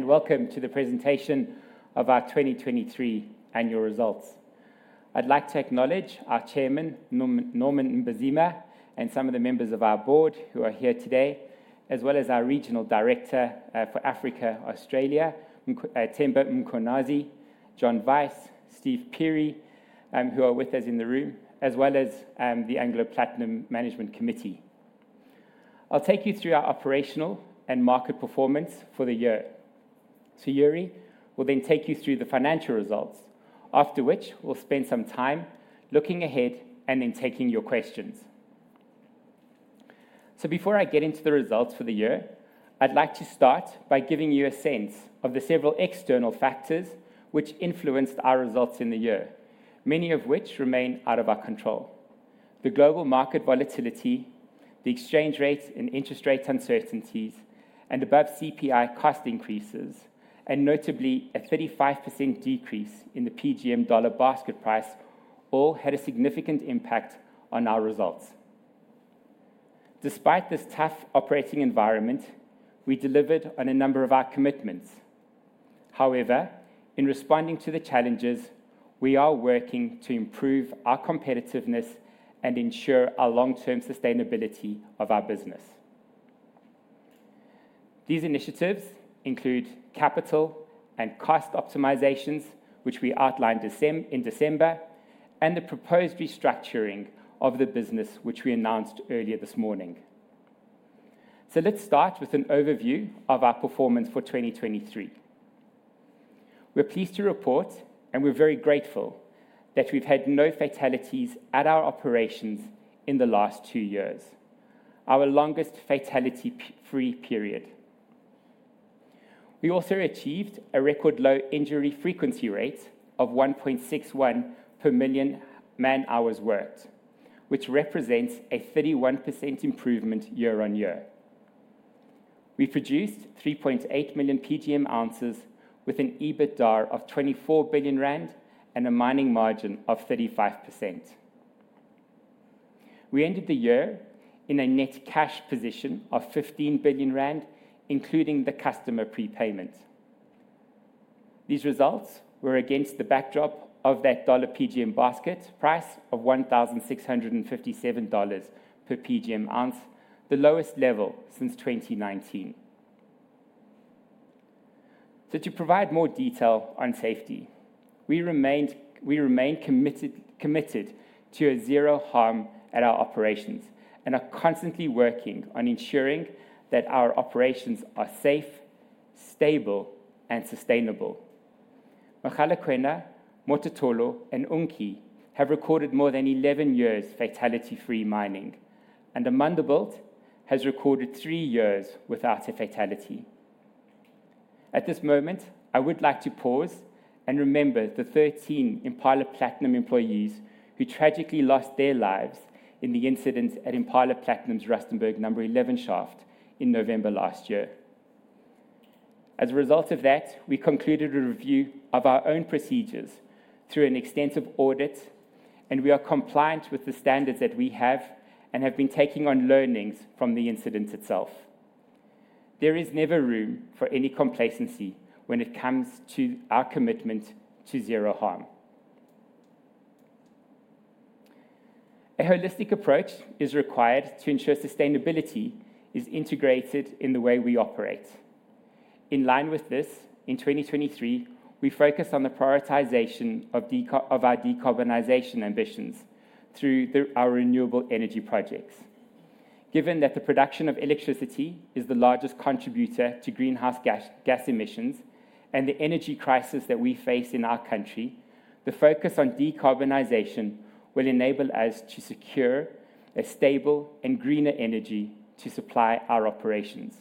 Welcome to the presentation of our 2023 annual results. I'd like to acknowledge our chairman, Norman Mbazima, and some of the members of our board who are here today, as well as our regional director for Africa, Australia, Themba Mkhwanazi, John Vice, Stephen Phiri, who are with us in the room, as well as the Anglo American Platinum Management Committee. I'll take you through our operational and market performance for the year. Sayurie will then take you through the financial results, after which we'll spend some time looking ahead and then taking your questions. Before I get into the results for the year, I'd like to start by giving you a sense of the several external factors which influenced our results in the year, many of which remain out of our control. The global market volatility, the exchange rate and interest rate uncertainties, and above CPI cost increases, and notably a 35% decrease in the PGM dollar basket price, all had a significant impact on our results. Despite this tough operating environment, we delivered on a number of our commitments. However, in responding to the challenges, we are working to improve our competitiveness and ensure our long-term sustainability of our business. These initiatives include capital and cost optimizations, which we outlined in December, and the proposed restructuring of the business which we announced earlier this morning. So let's start with an overview of our performance for 2023. We're pleased to report, and we're very grateful, that we've had no fatalities at our operations in the last two years, our longest fatality-free period. We also achieved a record low injury frequency rate of 1.61 per million man-hours worked, which represents a 31% improvement year-on-year. We produced 3.8 million PGM ounces with an EBITDA of 24 billion rand and a mining margin of 35%. We ended the year in a net cash position of 15 billion rand, including the customer prepayment. These results were against the backdrop of that dollar PGM basket price of $1,657 per PGM ounce, the lowest level since 2019. So to provide more detail on safety, we remained committed to a zero harm at our operations and are constantly working on ensuring that our operations are safe, stable, and sustainable. Mogalakwena, Mototolo, and Unki have recorded more than 11 years fatality-free mining, and Amandelbult has recorded 3 years without a fatality. At this moment, I would like to pause and remember the 13 Impala Platinum employees who tragically lost their lives in the incident at Impala Platinum's Rustenburg No. 11 shaft in November last year. As a result of that, we concluded a review of our own procedures through an extensive audit, and we are compliant with the standards that we have and have been taking on learnings from the incident itself. There is never room for any complacency when it comes to our commitment to zero harm. A holistic approach is required to ensure sustainability is integrated in the way we operate. In line with this, in 2023, we focused on the prioritization of our decarbonization ambitions through our renewable energy projects. Given that the production of electricity is the largest contributor to greenhouse gas emissions and the energy crisis that we face in our country, the focus on decarbonization will enable us to secure a stable and greener energy to supply our operations.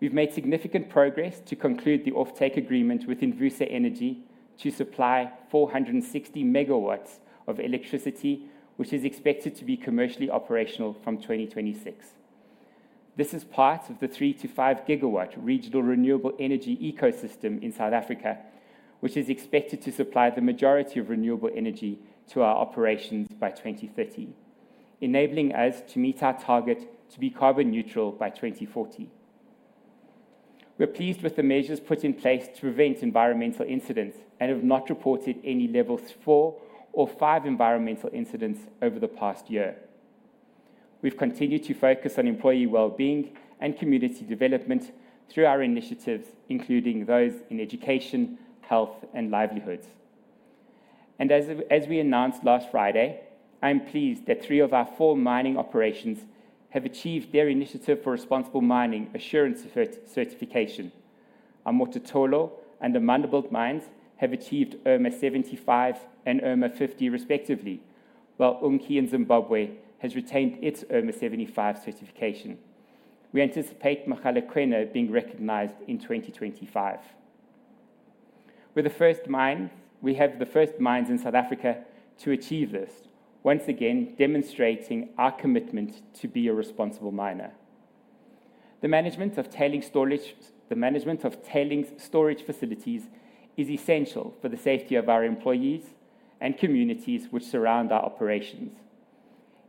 We've made significant progress to conclude the offtake agreement with Envusa Energy to supply 460 megawatts of electricity, which is expected to be commercially operational from 2026. This is part of the 3-5 gigawatt regional renewable energy ecosystem in South Africa, which is expected to supply the majority of renewable energy to our operations by 2030, enabling us to meet our target to be carbon neutral by 2040. We're pleased with the measures put in place to prevent environmental incidents and have not reported any levels 4 or 5 environmental incidents over the past year. We've continued to focus on employee well-being and community development through our initiatives, including those in education, health, and livelihoods. As we announced last Friday, I'm pleased that three of our four mining operations have achieved their Initiative for Responsible Mining Assurance certification. Our Mototolo and Amandelbult mines have achieved IRMA 75 and IRMA 50, respectively, while Unki in Zimbabwe has retained its IRMA 75 certification. We anticipate Mogalakwena being recognized in 2025. We're the first mines in South Africa to achieve this, once again demonstrating our commitment to be a responsible miner. The management of tailings storage facilities is essential for the safety of our employees and communities which surround our operations.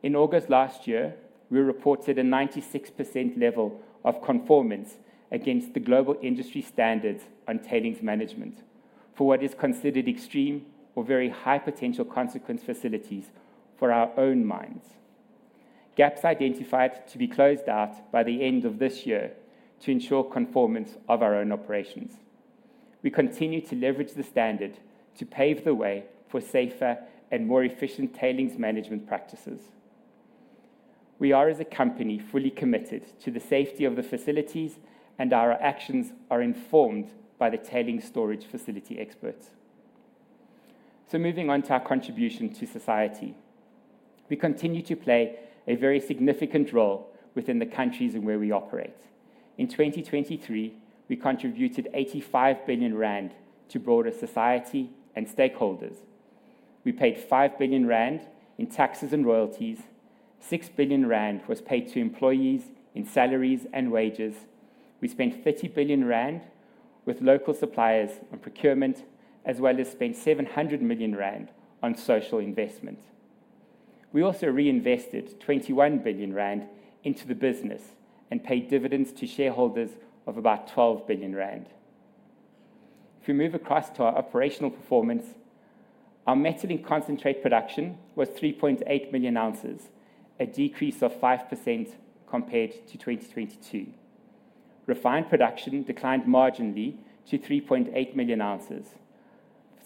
In August last year, we reported a 96% level of conformance against the global industry standards on tailings management for what is considered extreme or very high potential consequence facilities for our own mines, gaps identified to be closed out by the end of this year to ensure conformance of our own operations. We continue to leverage the standard to pave the way for safer and more efficient tailings management practices. We are, as a company, fully committed to the safety of the facilities, and our actions are informed by the tailings storage facility experts. So moving on to our contribution to society, we continue to play a very significant role within the countries in where we operate. In 2023, we contributed 85 billion rand to broader society and stakeholders. We paid 5 billion rand in taxes and royalties. 6 billion rand was paid to employees in salaries and wages. We spent 30 billion rand with local suppliers on procurement, as well as spent 700 million rand on social investment. We also reinvested 21 billion rand into the business and paid dividends to shareholders of about 12 billion rand. If we move across to our operational performance, our metal in concentrate production was 3.8 million ounces, a decrease of 5% compared to 2022. Refined production declined marginally to 3.8 million ounces.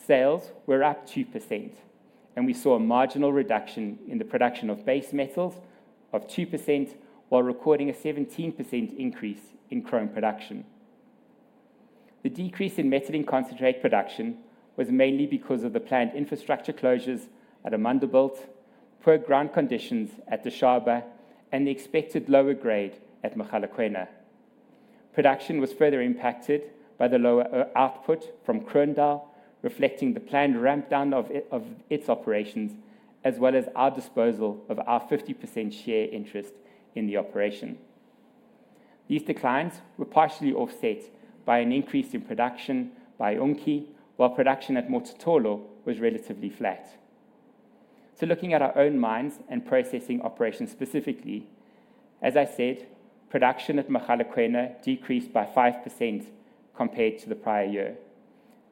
Sales were up 2%, and we saw a marginal reduction in the production of base metals of 2% while recording a 17% increase in chrome production. The decrease in metal in concentrate production was mainly because of the planned infrastructure closures at Amandelbult, poor ground conditions at Dishaba, and the expected lower grade at Mogalakwena. Production was further impacted by the lower output from Kroondal, reflecting the planned rampdown of its operations, as well as our disposal of our 50% share interest in the operation. These declines were partially offset by an increase in production by Unki, while production at Mototolo was relatively flat. So looking at our own mines and processing operations specifically, as I said, production at Mogalakwena decreased by 5% compared to the prior year.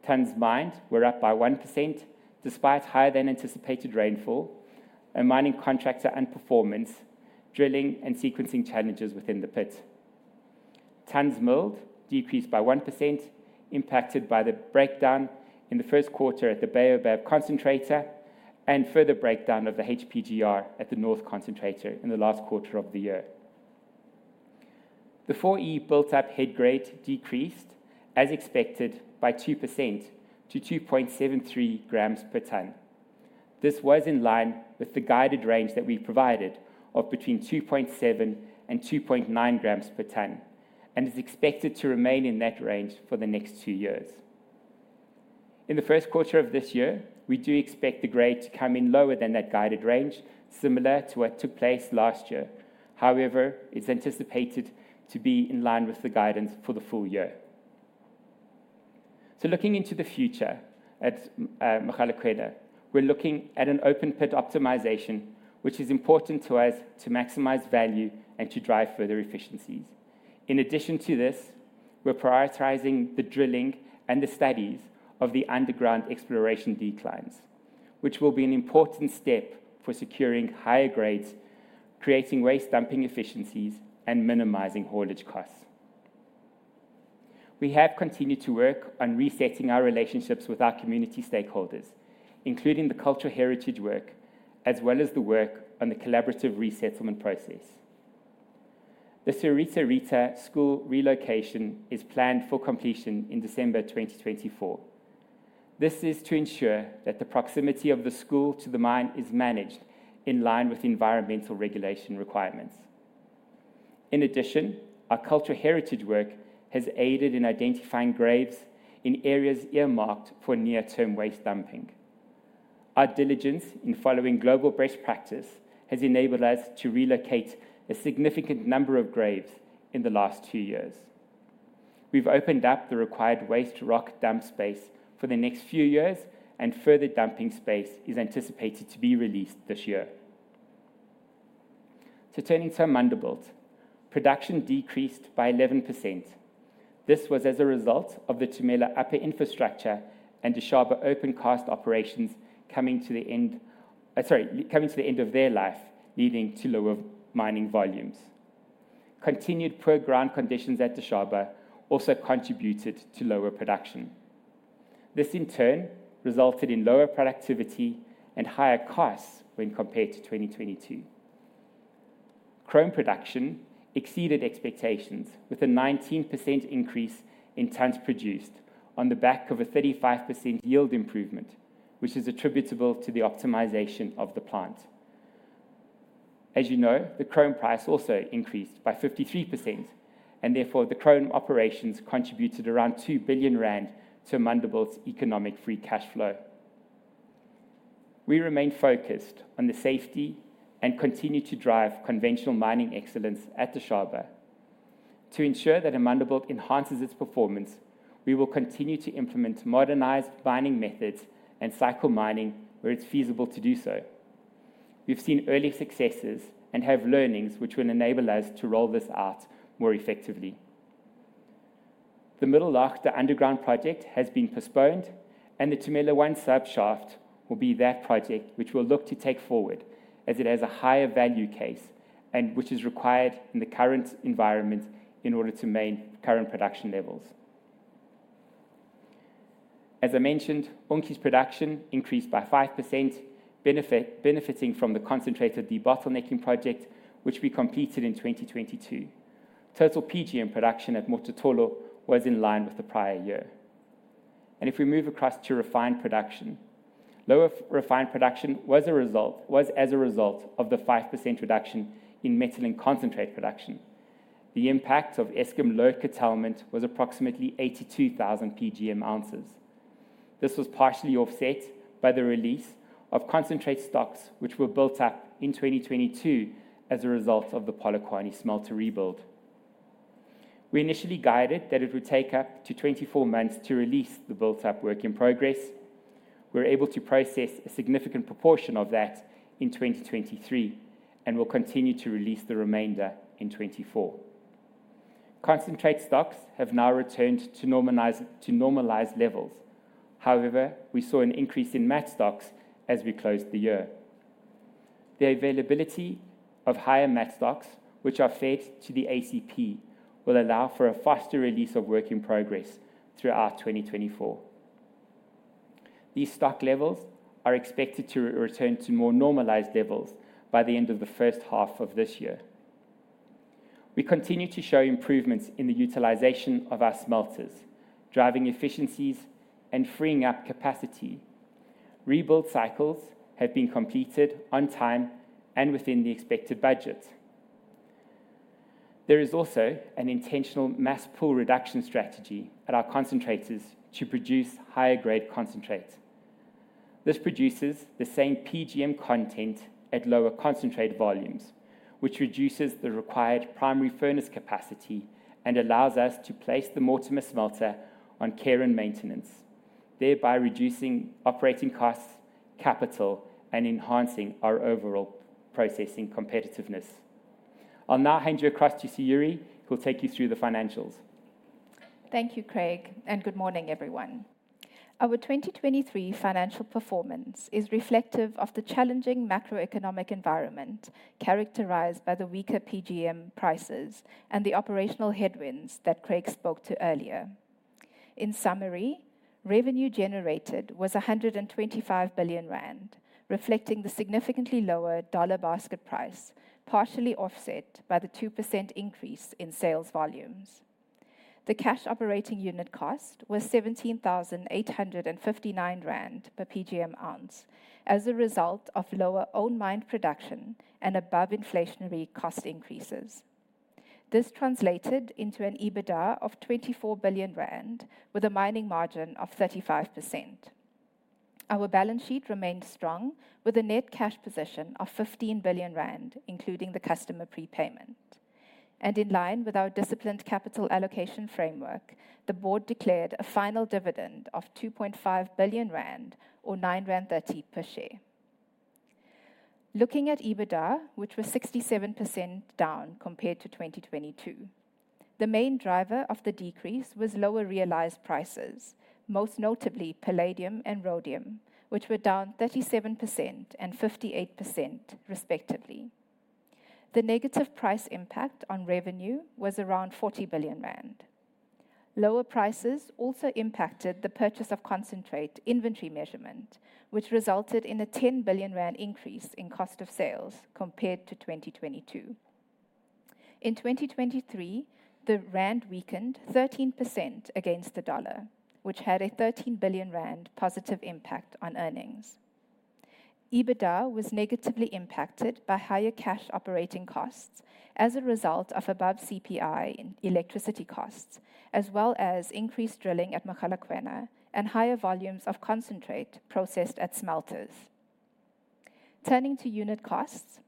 Tumela Mine were up by 1% despite higher-than-anticipated rainfall, a mining contractor unperformance, drilling and sequencing challenges within the pit. Tumela Mill decreased by 1%, impacted by the breakdown in the first quarter at the Baobab concentrator and further breakdown of the HPGR at the North concentrator in the last quarter of the year. The 4E built-up head grade decreased, as expected, by 2% to 2.73 grams per ton. This was in line with the guided range that we provided of between 2.7 and 2.9 grams per ton, and is expected to remain in that range for the next two years. In the first quarter of this year, we do expect the grade to come in lower than that guided range, similar to what took place last year. However, it's anticipated to be in line with the guidance for the full year. So looking into the future at Mogalakwena, we're looking at an open-pit optimization, which is important to us to maximize value and to drive further efficiencies. In addition to this, we're prioritizing the drilling and the studies of the underground exploration declines, which will be an important step for securing higher grades, creating waste dumping efficiencies, and minimizing haulage costs. We have continued to work on resetting our relationships with our community stakeholders, including the cultural heritage work, as well as the work on the collaborative resettlement process. The Seritarita School relocation is planned for completion in December 2024. This is to ensure that the proximity of the school to the mine is managed in line with environmental regulation requirements. In addition, our cultural heritage work has aided in identifying graves in areas earmarked for near-term waste dumping. Our diligence in following global best practice has enabled us to relocate a significant number of graves in the last two years. We've opened up the required waste rock dump space for the next few years, and further dumping space is anticipated to be released this year. So turning to Amandelbult, production decreased by 11%. This was as a result of the Tumela Upper Infrastructure and Dishaba Open Cast operations coming to the end sorry, coming to the end of their life, leading to lower mining volumes. Continued poor ground conditions at Dishaba also contributed to lower production. This, in turn, resulted in lower productivity and higher costs when compared to 2022. Chrome production exceeded expectations, with a 19% increase in tons produced on the back of a 35% yield improvement, which is attributable to the optimization of the plant. As you know, the chrome price also increased by 53%, and therefore the chrome operations contributed around 2 billion rand to Amandelbult's economic free cash flow. We remain focused on the safety and continue to drive conventional mining excellence at Dishaba. To ensure that Amandelbult enhances its performance, we will continue to implement modernized mining methods and cycle mining where it's feasible to do so. We've seen early successes and have learnings which will enable us to roll this out more effectively. The Middellaagte underground project has been postponed, and the Tumela One subshaft will be that project which we'll look to take forward as it has a higher value case and which is required in the current environment in order to maintain current production levels. As I mentioned, Unki's production increased by 5%, benefiting from the concentrator debottlenecking project, which we completed in 2022. Total PGM production at Mototolo was in line with the prior year. And if we move across to refined production, lower refined production was as a result of the 5% reduction in metal-in-concentrate production. The impact of Eskom load curtailment was approximately 82,000 PGM ounces. This was partially offset by the release of concentrate stocks which were built up in 2022 as a result of the Polokwane smelter rebuild. We initially guided that it would take up to 24 months to release the built-up work in progress. We're able to process a significant proportion of that in 2023 and will continue to release the remainder in 2024. Concentrate stocks have now returned to normalized levels. However, we saw an increase in matte stocks as we closed the year. The availability of higher matte stocks, which are fed to the ACP, will allow for a faster release of work in progress throughout 2024. These stock levels are expected to return to more normalized levels by the end of the first half of this year. We continue to show improvements in the utilization of our smelters, driving efficiencies and freeing up capacity. Rebuild cycles have been completed on time and within the expected budget. There is also an intentional mass pull reduction strategy at our concentrators to produce higher-grade concentrate. This produces the same PGM content at lower concentrate volumes, which reduces the required primary furnace capacity and allows us to place the Mortimer smelter on care and maintenance, thereby reducing operating costs, capital, and enhancing our overall processing competitiveness. I'll now hand you across to Sayurie, who'll take you through the financials. Thank you, Craig, and good morning, everyone. Our 2023 financial performance is reflective of the challenging macroeconomic environment characterized by the weaker PGM prices and the operational headwinds that Craig spoke to earlier. In summary, revenue generated was 125 billion rand, reflecting the significantly lower dollar basket price, partially offset by the 2% increase in sales volumes. The cash operating unit cost was 17,859 rand per PGM ounce as a result of lower owned mine production and above-inflationary cost increases. This translated into an EBITDA of 24 billion rand, with a mining margin of 35%. Our balance sheet remained strong, with a net cash position of 15 billion rand, including the customer prepayment. And in line with our disciplined capital allocation framework, the board declared a final dividend of 2.5 billion rand, or 9.30 rand per share. Looking at EBITDA, which was 67% down compared to 2022, the main driver of the decrease was lower realized prices, most notably palladium and rhodium, which were down 37% and 58%, respectively. The negative price impact on revenue was around 40 billion rand. Lower prices also impacted the purchase of concentrate inventory measurement, which resulted in a 10 billion rand increase in cost of sales compared to 2022. In 2023, the rand weakened 13% against the dollar, which had a 13 billion rand positive impact on earnings. EBITDA was negatively impacted by higher cash operating costs as a result of above-CPI electricity costs, as well as increased drilling at Mogalakwena and higher volumes of concentrate processed at smelters. Turning to unit costs,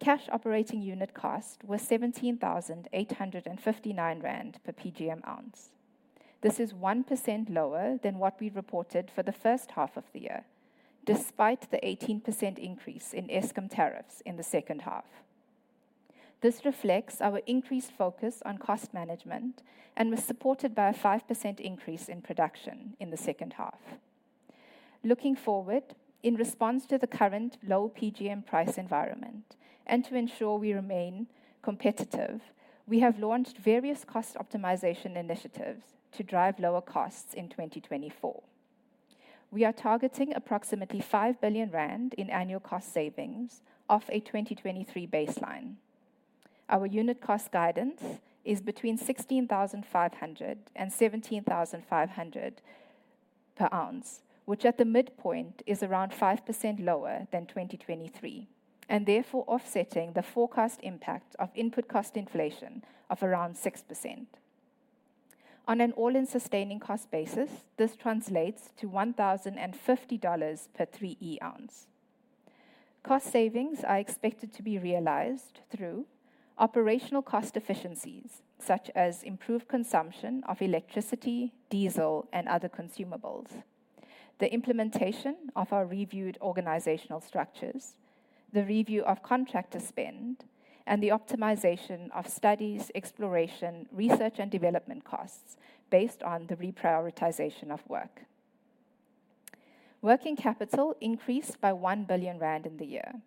cash operating unit cost was 17,859 rand per PGM ounce. This is 1% lower than what we reported for the first half of the year, despite the 18% increase in Eskom tariffs in the second half. This reflects our increased focus on cost management and was supported by a 5% increase in production in the second half. Looking forward, in response to the current low PGM price environment and to ensure we remain competitive, we have launched various cost optimization initiatives to drive lower costs in 2024. We are targeting approximately 5 billion rand in annual cost savings off a 2023 baseline. Our unit cost guidance is between 16,500 and 17,500 per ounce, which at the midpoint is around 5% lower than 2023, and therefore offsetting the forecast impact of input cost inflation of around 6%. On an all-in sustaining cost basis, this translates to $1,050 per 3E ounce. Cost savings are expected to be realized through operational cost efficiencies, such as improved consumption of electricity, diesel, and other consumables, the implementation of our reviewed organizational structures, the review of contractor spend, and the optimization of studies, exploration, research, and development costs based on the reprioritization of work. Working capital increased by 1 billion rand in the year.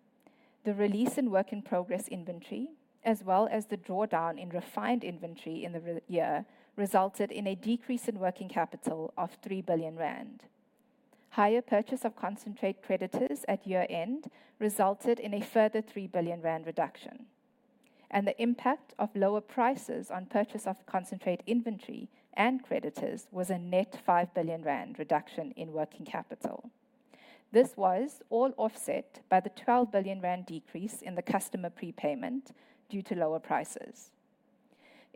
The release in work-in-progress inventory, as well as the drawdown in refined inventory in the year, resulted in a decrease in working capital of 3 billion rand. Higher purchase of concentrate creditors at year end resulted in a further ZAR 3 billion reduction. The impact of lower prices on purchase of concentrate inventory and creditors was a net 5 billion rand reduction in working capital. This was all offset by the 12 billion rand decrease in the customer prepayment due to lower prices.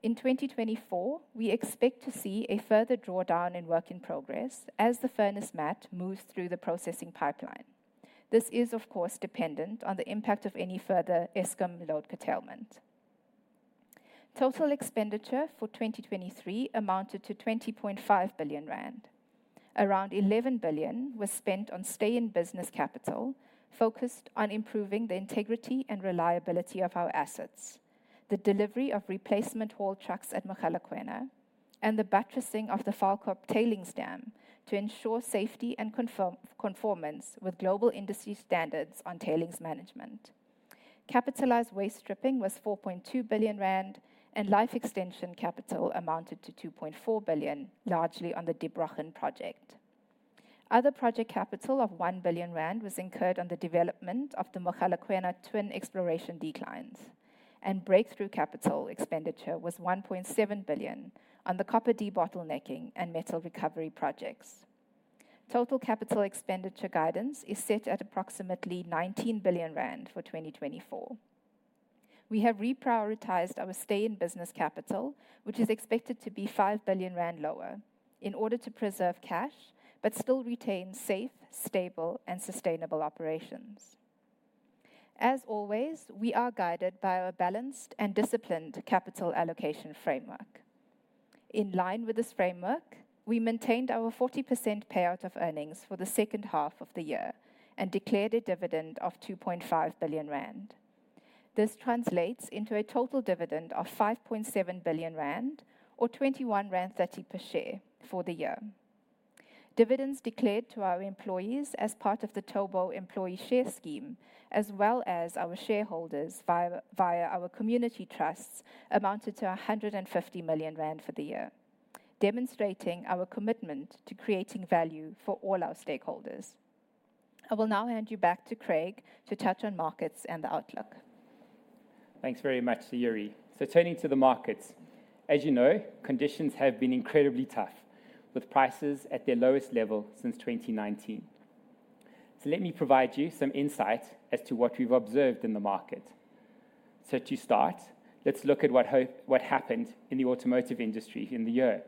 In 2024, we expect to see a further drawdown in work-in-progress as the furnace matte moves through the processing pipeline. This is, of course, dependent on the impact of any further Eskom load curtailment. Total expenditure for 2023 amounted to 20.5 billion rand. Around 11 billion was spent on stay-in-business capital focused on improving the integrity and reliability of our assets, the delivery of replacement haul trucks at Mogalakwena, and the buttressing of the Vaalkop tailings dam to ensure safety and conformance with global industry standards on tailings management. Capitalized waste stripping was 4.2 billion rand, and Life Extension capital amounted to 2.4 billion, largely on the Der Brochen project. Other project capital of 1 billion rand was incurred on the development of the Mogalakwena twin exploration declines, and breakthrough capital expenditure was 1.7 billion on the copper debottlenecking and metal recovery projects. Total capital expenditure guidance is set at approximately 19 billion rand for 2024. We have reprioritized our Stay-in-Business capital, which is expected to be 5 billion rand lower, in order to preserve cash but still retain safe, stable, and sustainable operations. As always, we are guided by our balanced and disciplined capital allocation framework. In line with this framework, we maintained our 40% payout of earnings for the second half of the year and declared a dividend of 2.5 billion rand. This translates into a total dividend of 5.7 billion rand, or 21.30 rand per share for the year. Dividends declared to our employees as part of the Thobo Employee Share Scheme, as well as our shareholders via our community trusts, amounted to 150 million rand for the year, demonstrating our commitment to creating value for all our stakeholders. I will now hand you back to Craig to touch on markets and the outlook. Thanks very much, Sayurie. So turning to the markets, as you know, conditions have been incredibly tough, with prices at their lowest level since 2019. So let me provide you some insight as to what we've observed in the market. So to start, let's look at what happened in the automotive industry in the year,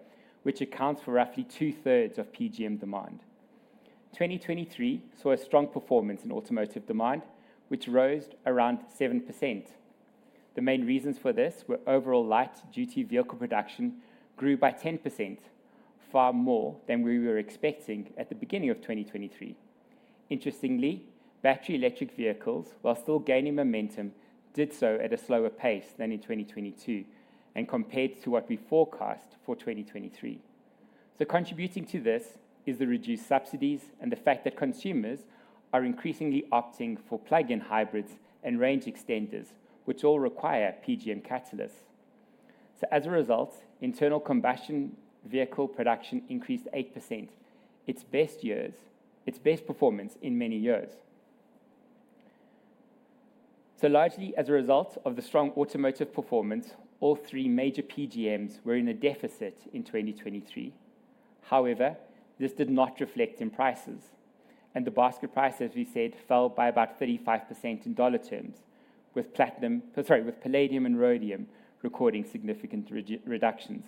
which accounts for roughly two-thirds of PGM demand. 2023 saw a strong performance in automotive demand, which rose around 7%. The main reasons for this were overall light-duty vehicle production grew by 10%, far more than we were expecting at the beginning of 2023. Interestingly, battery electric vehicles, while still gaining momentum, did so at a slower pace than in 2022 and compared to what we forecast for 2023. So contributing to this is the reduced subsidies and the fact that consumers are increasingly opting for plug-in hybrids and range extenders, which all require PGM catalysts. So as a result, internal combustion vehicle production increased 8%. Its best years. Its best performance in many years. So largely as a result of the strong automotive performance, all three major PGMs were in a deficit in 2023. However, this did not reflect in prices. And the basket price, as we said, fell by about 35% in dollar terms, with palladium and rhodium recording significant reductions.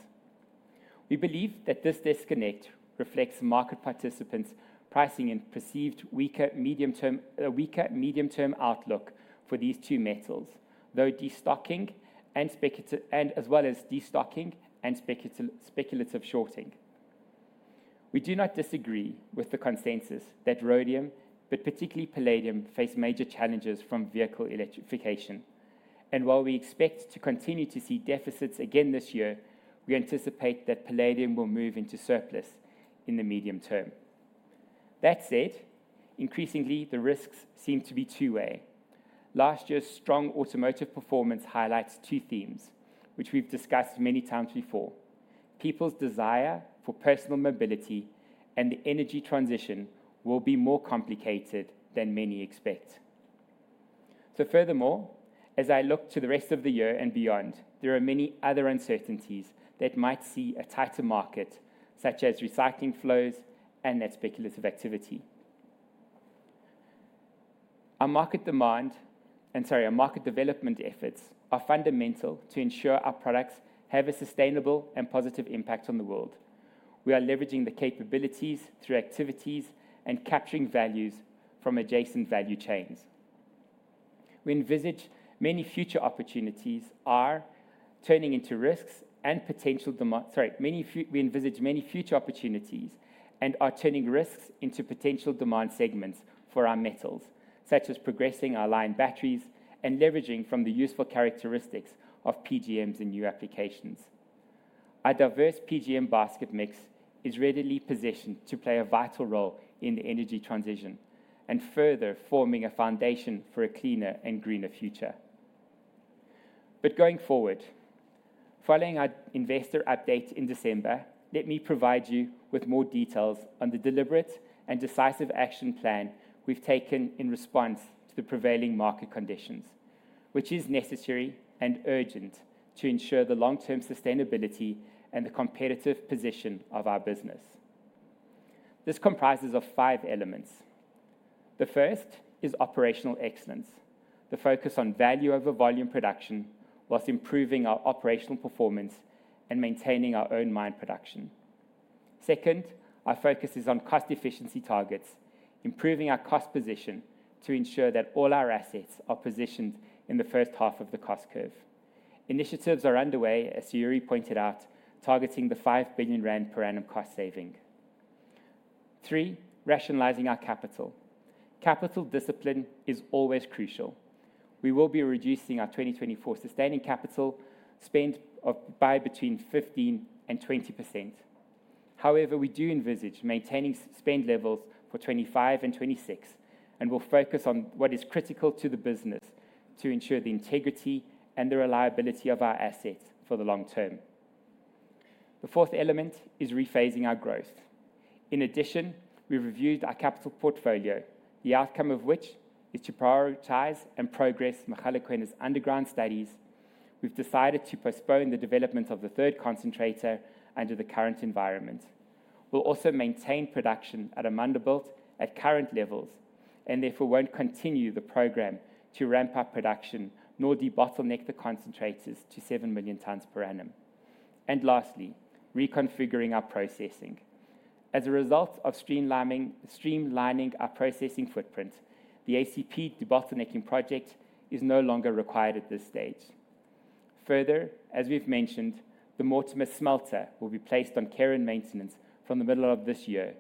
We believe that this disconnect reflects market participants' pricing and perceived weaker medium-term outlook for these two metals, though as well as destocking and speculative shorting. We do not disagree with the consensus that rhodium, but particularly palladium, face major challenges from vehicle electrification. And while we expect to continue to see deficits again this year, we anticipate that palladium will move into surplus in the medium term. That said, increasingly, the risks seem to be two-way. Last year's strong automotive performance highlights two themes, which we've discussed many times before: people's desire for personal mobility and the energy transition will be more complicated than many expect. So furthermore, as I look to the rest of the year and beyond, there are many other uncertainties that might see a tighter market, such as recycling flows and that speculative activity. Our market demand and, sorry, our market development efforts are fundamental to ensure our products have a sustainable and positive impact on the world. We are leveraging the capabilities through activities and capturing values from adjacent value chains. We envisage many future opportunities and are turning risks into potential demand segments for our metals, such as progressing our line batteries and leveraging from the useful characteristics of PGMs in new applications. Our diverse PGM basket mix is readily positioned to play a vital role in the energy transition and further forming a foundation for a cleaner and greener future. But going forward, following our investor update in December, let me provide you with more details on the deliberate and decisive action plan we've taken in response to the prevailing market conditions, which is necessary and urgent to ensure the long-term sustainability and the competitive position of our business. This comprises five elements. The first is operational excellence, the focus on value over volume production while improving our operational performance and maintaining our own mine production. Second, our focus is on cost efficiency targets, improving our cost position to ensure that all our assets are positioned in the first half of the cost curve. Initiatives are underway, as Sayurie pointed out, targeting the 5 billion rand per annum cost saving. Three, rationalizing our capital. Capital discipline is always crucial. We will be reducing our 2024 sustaining capital spend by between 15% to 20%. However, we do envisage maintaining spend levels for 2025 and 2026 and will focus on what is critical to the business to ensure the integrity and the reliability of our assets for the long term. The fourth element is rephasing our growth. In addition, we reviewed our capital portfolio, the outcome of which is to prioritize and progress Mogalakwena's underground studies. We've decided to postpone the development of the third concentrator under the current environment. We'll also maintain production at Amandelbult at current levels and therefore won't continue the program to ramp up production nor debottleneck the concentrators to 7 million tons per annum. Lastly, reconfiguring our processing. As a result of streamlining our processing footprint, the ACP debottlenecking project is no longer required at this stage. Further, as we've mentioned, the Mortimer smelter will be placed on care and maintenance from the middle of this year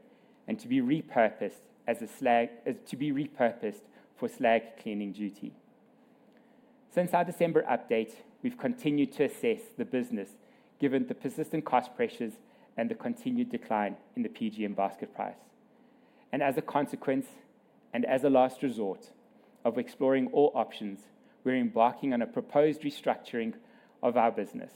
and to be repurposed for slag cleaning duty. Since our December update, we've continued to assess the business given the persistent cost pressures and the continued decline in the PGM basket price. As a consequence and as a last resort of exploring all options, we're embarking on a proposed restructuring of our business.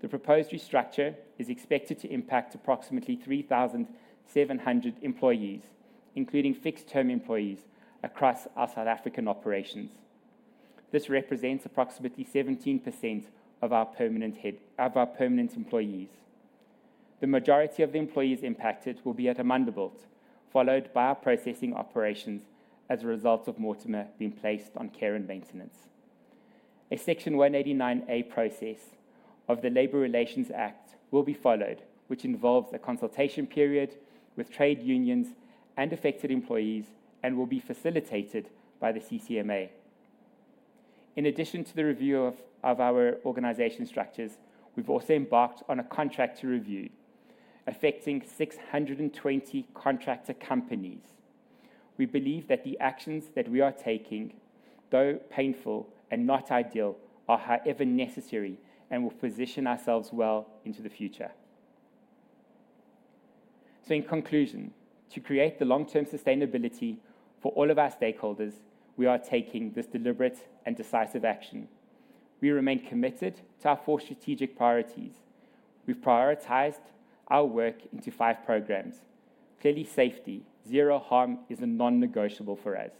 The proposed restructure is expected to impact approximately 3,700 employees, including fixed-term employees across our South African operations. This represents approximately 17% of our permanent employees. The majority of the employees impacted will be at Amandelbult, followed by our processing operations as a result of Mortimer being placed on care and maintenance. A Section 189A process of the Labour Relations Act will be followed, which involves a consultation period with trade unions and affected employees and will be facilitated by the CCMA. In addition to the review of our organization structures, we've also embarked on a contract to review affecting 620 contractor companies. We believe that the actions that we are taking, though painful and not ideal, are however necessary and will position ourselves well into the future. So in conclusion, to create the long-term sustainability for all of our stakeholders, we are taking this deliberate and decisive action. We remain committed to our four strategic priorities. We've prioritized our work into five programs. Clearly, safety, zero harm is a non-negotiable for us.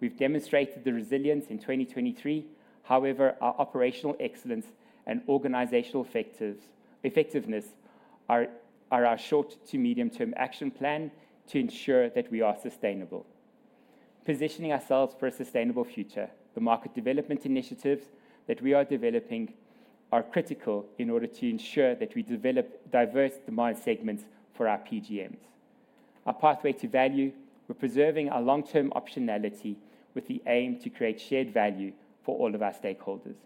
We've demonstrated the resilience in 2023. However, our operational excellence and organizational effectiveness are our short- to medium-term action plan to ensure that we are sustainable. Positioning ourselves for a sustainable future, the market development initiatives that we are developing are critical in order to ensure that we develop diverse demand segments for our PGMs. Our pathway to value, we're preserving our long-term optionality with the aim to create shared value for all of our stakeholders.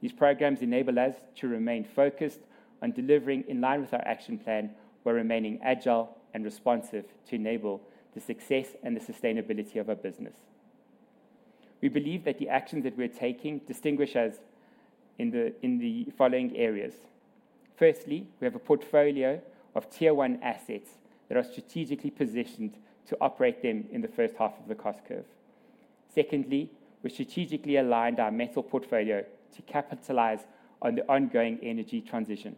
These programs enable us to remain focused on delivering in line with our action plan, while remaining agile and responsive to enable the success and the sustainability of our business. We believe that the actions that we're taking distinguish us in the following areas. Firstly, we have a portfolio of Tier 1 assets that are strategically positioned to operate them in the first half of the cost curve. Secondly, we're strategically aligned our metal portfolio to capitalize on the ongoing energy transition.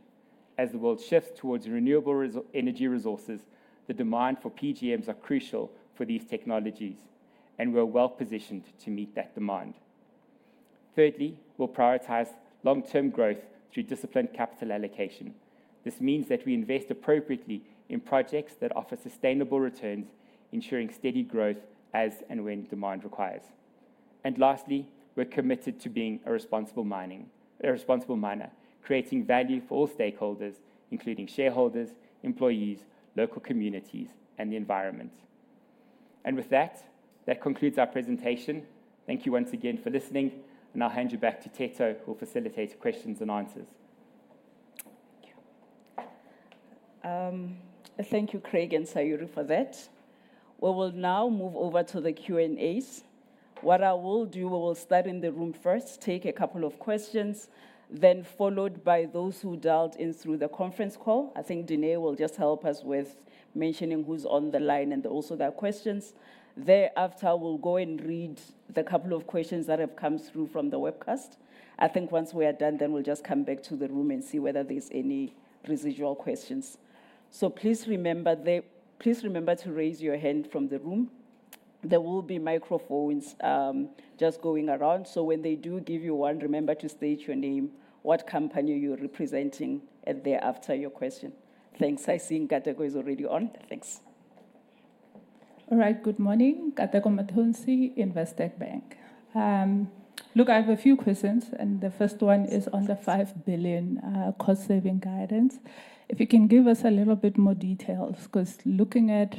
As the world shifts towards renewable energy resources, the demand for PGMs is crucial for these technologies, and we're well positioned to meet that demand. Thirdly, we'll prioritize long-term growth through disciplined capital allocation. This means that we invest appropriately in projects that offer sustainable returns, ensuring steady growth as and when demand requires. Lastly, we're committed to being a responsible miner, creating value for all stakeholders, including shareholders, employees, local communities, and the environment. With that, that concludes our presentation. Thank you once again for listening, and I'll hand you back to Theto, who'll facilitate questions and answers. Thank you. Thank you, Craig and Sayurie, for that. We will now move over to the Q&As. What I will do, we will start in the room first, take a couple of questions, then followed by those who dialed in through the conference call. I think Dineo will just help us with mentioning who's on the line and also their questions. Thereafter, we'll go and read the couple of questions that have come through from the webcast. I think once we are done, then we'll just come back to the room and see whether there's any residual questions. So please remember to raise your hand from the room. There will be microphones just going around. So when they do give you one, remember to state your name, what company you're representing, thereafter your question. Thanks. I see Nkateko is already on. Thanks. All right. Good morning. Nkateko Mathonsi, Investec Bank. Look, I have a few questions. The first one is on the 5 billion cost-saving guidance. If you can give us a little bit more details, because looking at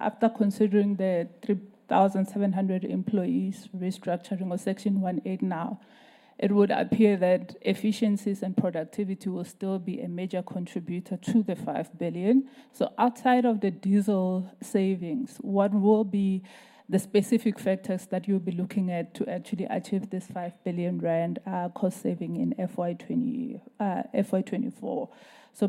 after considering the 3,700 employees restructuring or Section 189A now, it would appear that efficiencies and productivity will still be a major contributor to the 5 billion. Outside of the diesel savings, what will be the specific factors that you'll be looking at to actually achieve this 5 billion rand cost saving in FY24?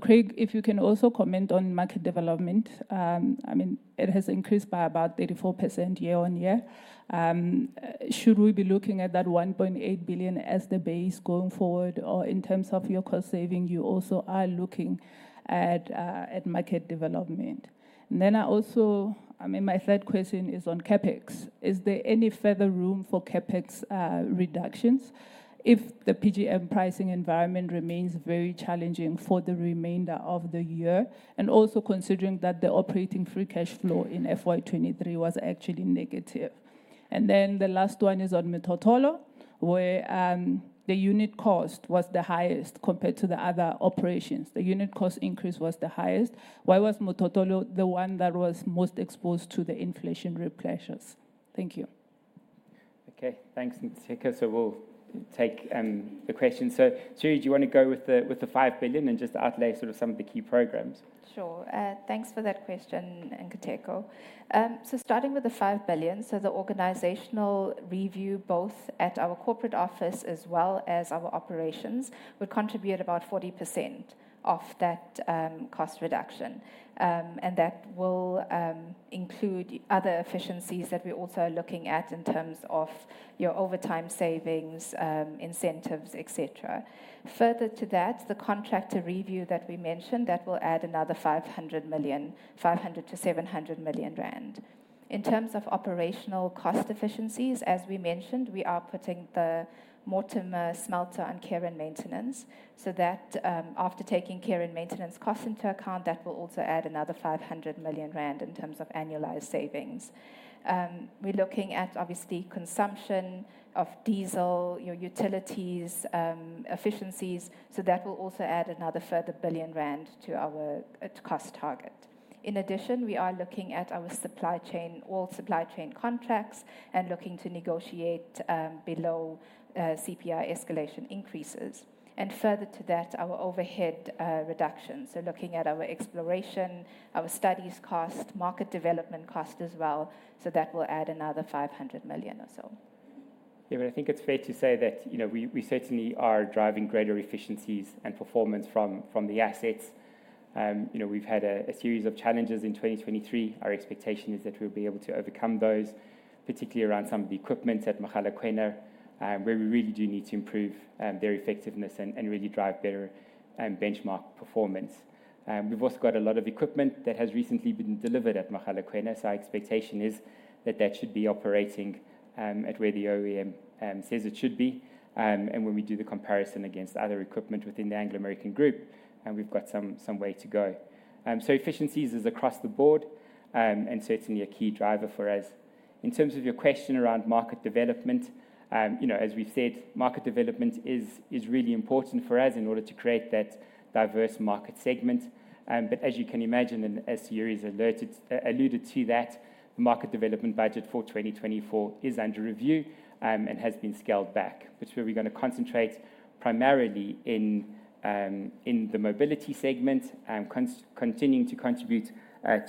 Craig, if you can also comment on market development. I mean, it has increased by about 84% year-on-year. Should we be looking at that 1.8 billion as the base going forward, or in terms of your cost saving, you also are looking at market development? And then I also—I mean, my third question is on CapEx. Is there any further room for CapEx reductions if the PGM pricing environment remains very challenging for the remainder of the year, and also considering that the operating free cash flow in FY23 was actually negative? And then the last one is on Mototolo, where the unit cost was the highest compared to the other operations. The unit cost increase was the highest. Why was Mototolo the one that was most exposed to the inflationary pressures? Thank you. OK. Thanks, Nkateko. So we'll take the questions. So Sayurie, do you want to go with the 5 billion and just outlay sort of some of the key programs? Sure. Thanks for that question, Nkateko. So starting with the 5 billion, so the organizational review, both at our corporate office as well as our operations, would contribute about 40% of that cost reduction. And that will include other efficiencies that we also are looking at in terms of overtime savings, incentives, et cetera. Further to that, the contractor review that we mentioned, that will add another 500 million, 500 million-700 million rand. In terms of operational cost efficiencies, as we mentioned, we are putting the Mortimer smelter on care and maintenance. So after taking care and maintenance costs into account, that will also add another 500 million rand in terms of annualized savings. We're looking at, obviously, consumption of diesel, utilities efficiencies. So that will also add another further 1 billion rand to our cost target. In addition, we are looking at our supply chain, all supply chain contracts, and looking to negotiate below CPI escalation increases. Further to that, our overhead reductions. Looking at our exploration, our studies cost, market development cost as well. That will add another 500 million or so. Yeah, but I think it's fair to say that we certainly are driving greater efficiencies and performance from the assets. We've had a series of challenges in 2023. Our expectation is that we'll be able to overcome those, particularly around some of the equipment at Mogalakwena, where we really do need to improve their effectiveness and really drive better benchmark performance. We've also got a lot of equipment that has recently been delivered at Mogalakwena. So our expectation is that that should be operating at where the OEM says it should be. And when we do the comparison against other equipment within the Anglo American group, we've got some way to go. So efficiencies is across the board and certainly a key driver for us. In terms of your question around market development, as we've said, market development is really important for us in order to create that diverse market segment. But as you can imagine, and as Sayurie alluded to that, the market development budget for 2024 is under review and has been scaled back, which where we're going to concentrate primarily in the mobility segment, continuing to contribute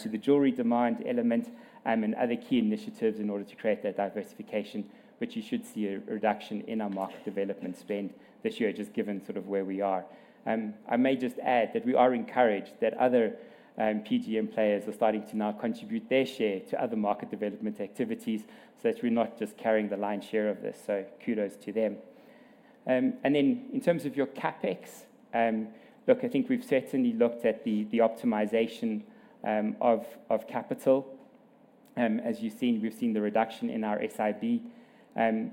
to the jewelry demand element and other key initiatives in order to create that diversification, which you should see a reduction in our market development spend this year, just given sort of where we are. I may just add that we are encouraged that other PGM players are starting to now contribute their share to other market development activities so that we're not just carrying the lion's share of this. So kudos to them. Then in terms of your CapEx, look, I think we've certainly looked at the optimization of capital. As you've seen, we've seen the reduction in our SIB.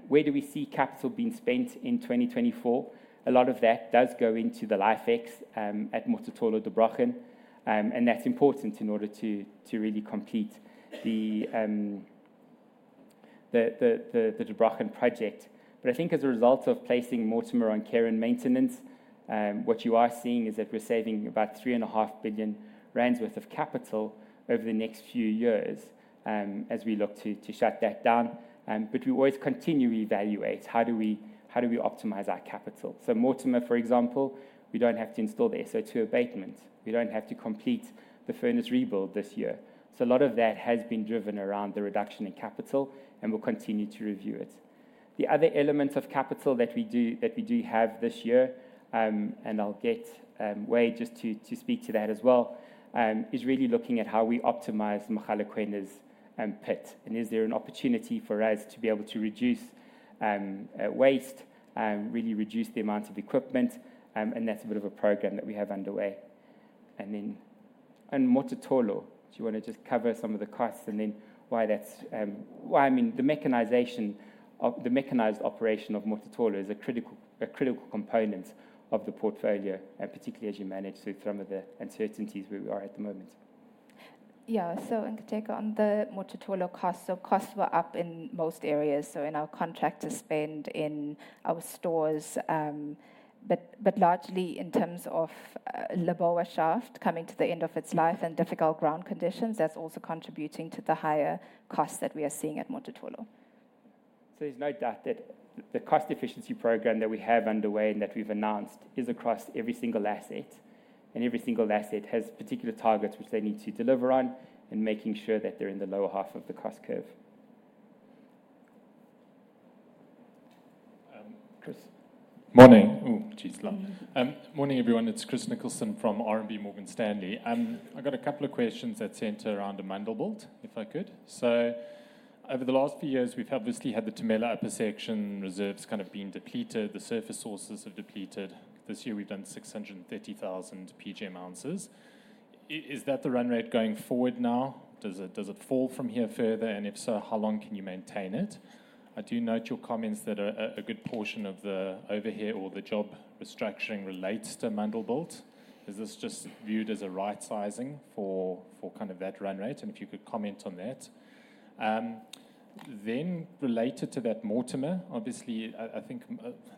Where do we see capital being spent in 2024? A lot of that does go into the life extension at Mototolo Der Brochen. And that's important in order to really complete the Der Brochen project. But I think as a result of placing Mortimer on care and maintenance, what you are seeing is that we're saving about 3.5 billion rand worth of capital over the next few years as we look to shut that down. But we always continue to evaluate, how do we optimize our capital? So Mortimer, for example, we don't have to install the SO2 abatement. We don't have to complete the furnace rebuild this year. A lot of that has been driven around the reduction in capital, and we'll continue to review it. The other element of capital that we do have this year, and I'll get Wade just to speak to that as well, is really looking at how we optimize Mogalakwena's pit. Is there an opportunity for us to be able to reduce waste, really reduce the amount of equipment? That's a bit of a program that we have underway. Then on Mototolo, do you want to just cover some of the costs and then why that's why, I mean, the mechanized operation of Mototolo is a critical component of the portfolio, particularly as you manage through some of the uncertainties where we are at the moment? Yeah. So Nkateko, on the Mototolo costs, so costs were up in most areas. So in our contractor spend in our stores, but largely in terms of Lebowa shaft coming to the end of its life and difficult ground conditions, that's also contributing to the higher costs that we are seeing at Mototolo. There's no doubt that the cost efficiency program that we have underway and that we've announced is across every single asset. Every single asset has particular targets which they need to deliver on and making sure that they're in the lower half of the cost curve. Chris? Morning. Oh, jeez, long. Morning, everyone. It's Chris Nicholson from RMB Morgan Stanley. I've got a couple of questions that center around Amandelbult, if I could. So over the last few years, we've obviously had the Tumela upper section reserves kind of being depleted. The surface sources have depleted. This year, we've done 630,000 PGM ounces. Is that the run rate going forward now? Does it fall from here further? And if so, how long can you maintain it? I do note your comments that a good portion of the overhead or the job restructuring relates to Amandelbult. Is this just viewed as a right-sizing for kind of that run rate? And if you could comment on that. Then related to that Mortimer, obviously, I think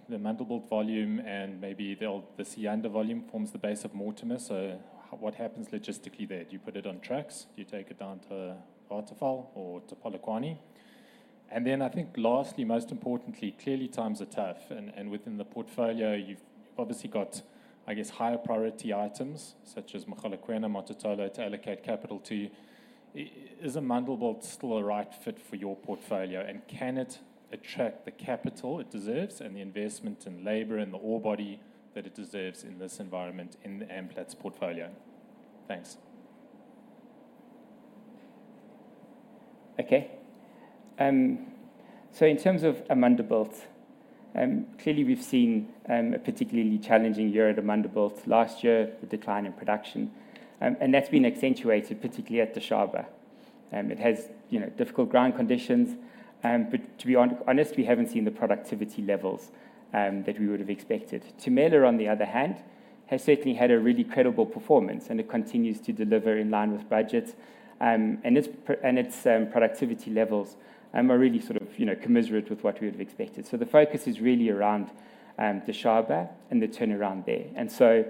the Amandelbult volume and maybe the Sianda volume forms the base of Mortimer. So what happens logistically there? Do you put it on tracks? Do you take it down to Waterval or to Polokwane? And then I think lastly, most importantly, clearly times are tough. And within the portfolio, you've obviously got, I guess, higher priority items such as Mogalakwena, Mototolo to allocate capital to. Is Amandelbult still a right fit for your portfolio? And can it attract the capital it deserves and the investment in labor and the ore body that it deserves in this environment in Anglo American Platinum's portfolio? Thanks. OK. So in terms of Amandelbult, clearly we've seen a particularly challenging year at Amandelbult. Last year, the decline in production. And that's been accentuated particularly at Dishaba. It has difficult ground conditions. But to be honest, we haven't seen the productivity levels that we would have expected. Tumela, on the other hand, has certainly had a really credible performance, and it continues to deliver in line with budget. And its productivity levels are really sort of commensurate with what we would have expected. So the focus is really around Dishaba and the turnaround there. And so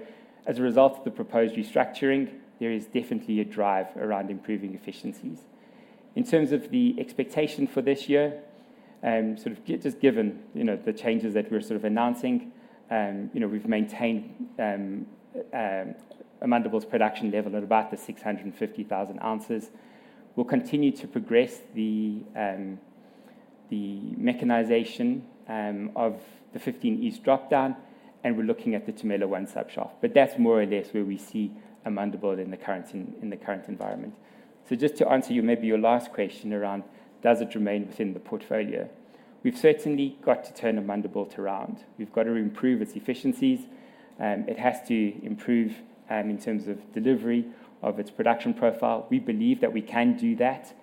as a result of the proposed restructuring, there is definitely a drive around improving efficiencies. In terms of the expectation for this year, sort of just given the changes that we're sort of announcing, we've maintained Amandelbult's production level at about the 650,000 ounces. We'll continue to progress the mechanization of the 15 East down dip, and we're looking at the Tumela One subshaft. But that's more or less where we see Amandelbult in the current environment. So just to answer maybe your last question around, does it remain within the portfolio? We've certainly got to turn Amandelbult around. We've got to improve its efficiencies. It has to improve in terms of delivery of its production profile. We believe that we can do that.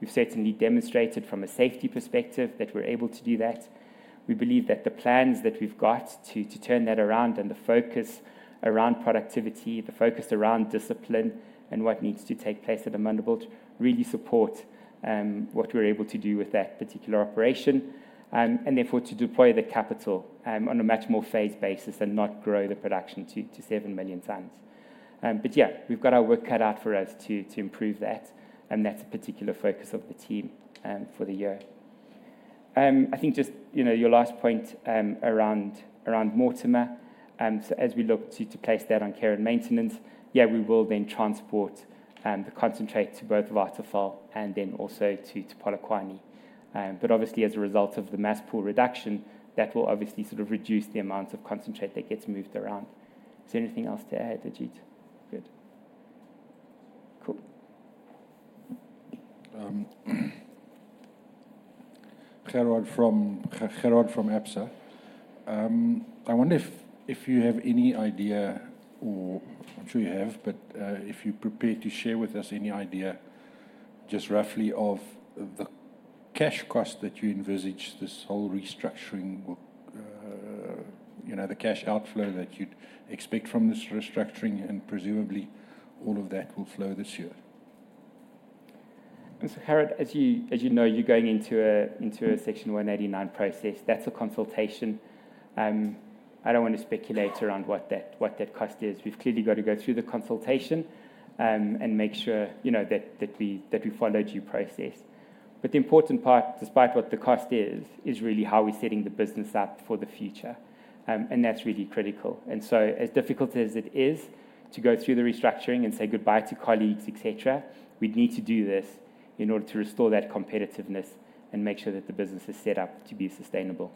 We've certainly demonstrated from a safety perspective that we're able to do that. We believe that the plans that we've got to turn that around and the focus around productivity, the focus around discipline, and what needs to take place at Amandelbult really support what we're able to do with that particular operation, and therefore to deploy the capital on a much more phased basis and not grow the production to 7 million tonnes. But yeah, we've got our work cut out for us to improve that. And that's a particular focus of the team for the year. I think just your last point around Mortimer. So as we look to place that on care and maintenance, yeah, we will then transport the concentrate to both Waterval and then also to Polokwane. But obviously, as a result of the Mass Pull Reduction, that will obviously sort of reduce the amount of concentrate that gets moved around. Is there anything else to add, Ajit? Good. Cool. Gerhard from Absa. I wonder if you have any idea or I'm sure you have, but if you prepare to share with us any idea just roughly of the cash cost that you envisage this whole restructuring the cash outflow that you'd expect from this restructuring, and presumably all of that will flow this year. So Gerhard, as you know, you're going into a Section 189 process. That's a consultation. I don't want to speculate around what that cost is. We've clearly got to go through the consultation and make sure that we followed your process. But the important part, despite what the cost is, is really how we're setting the business up for the future. And that's really critical. And so as difficult as it is to go through the restructuring and say goodbye to colleagues, et cetera, we'd need to do this in order to restore that competitiveness and make sure that the business is set up to be sustainable.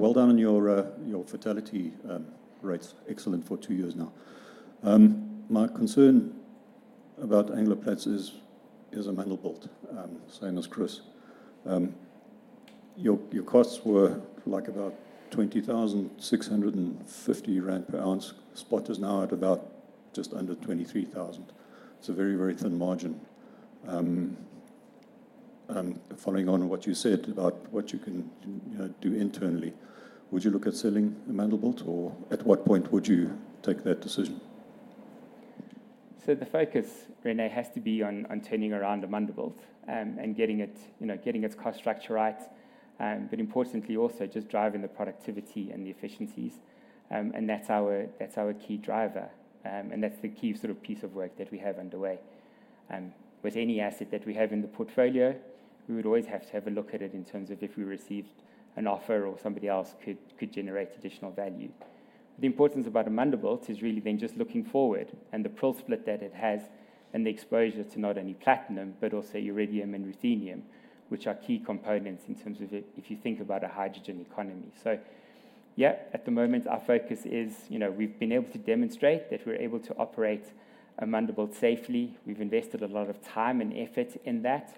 Thank you. Yeah, well done on your fatality rates. Excellent for two years now. My concern about Anglo Platinum is Amandelbult, same as Chris. Your costs were like about 20,650 rand per ounce. Spot is now at about just under 23,000. It's a very, very thin margin. Following on what you said about what you can do internally, would you look at selling Amandelbult, or at what point would you take that decision? So the focus, Rene, has to be on turning around Amandelbult and getting its cost structure right, but importantly also just driving the productivity and the efficiencies. And that's our key driver. And that's the key sort of piece of work that we have underway. With any asset that we have in the portfolio, we would always have to have a look at it in terms of if we received an offer or somebody else could generate additional value. The importance about Amandelbult is really then just looking forward and the prill split that it has and the exposure to not only platinum but also uranium and ruthenium, which are key components in terms of if you think about a hydrogen economy. So yeah, at the moment, our focus is we've been able to demonstrate that we're able to operate Amandelbult safely. We've invested a lot of time and effort in that.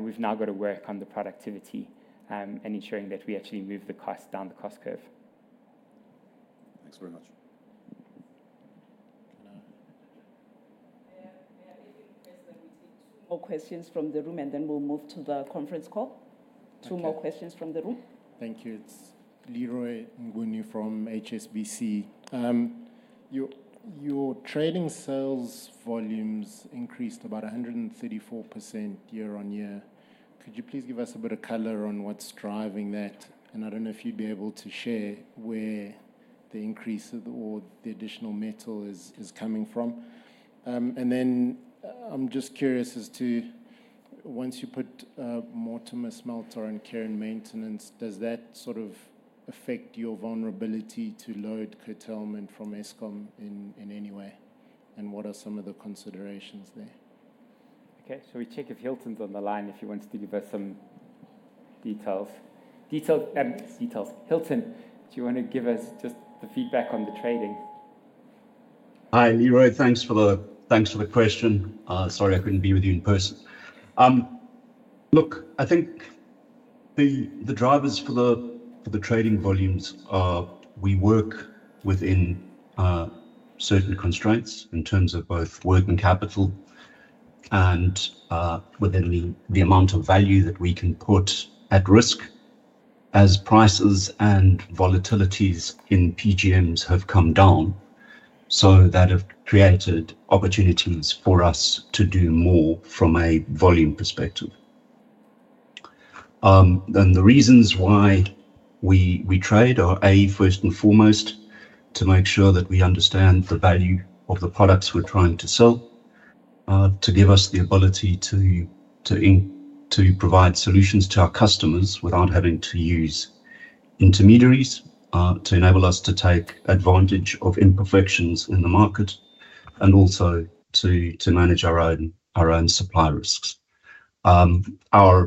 We've now got to work on the productivity and ensuring that we actually move the cost down the cost curve. Thanks very much. May I beg you, Chris, that we take two more questions from the room, and then we'll move to the conference call? Two more questions from the room. Thank you. It's Leroy Mnguni from HSBC. Your trading sales volumes increased about 134% year-on-year. Could you please give us a bit of color on what's driving that? And I don't know if you'd be able to share where the increase or the additional metal is coming from. And then I'm just curious as to once you put Mortimer smelter on care and maintenance, does that sort of affect your vulnerability to load curtailment from Eskom in any way? And what are some of the considerations there? OK. So we'll check if Hilton's on the line if he wants to give us some details. Hilton, do you want to give us just the feedback on the trading? Hi, Leroy. Thanks for the question. Sorry, I couldn't be with you in person. Look, I think the drivers for the trading volumes are we work within certain constraints in terms of both working capital and within the amount of value that we can put at risk as prices and volatilities in PGMs have come down. So that have created opportunities for us to do more from a volume perspective. And the reasons why we trade are, A, first and foremost, to make sure that we understand the value of the products we're trying to sell, to give us the ability to provide solutions to our customers without having to use intermediaries, to enable us to take advantage of imperfections in the market, and also to manage our own supply risks. Our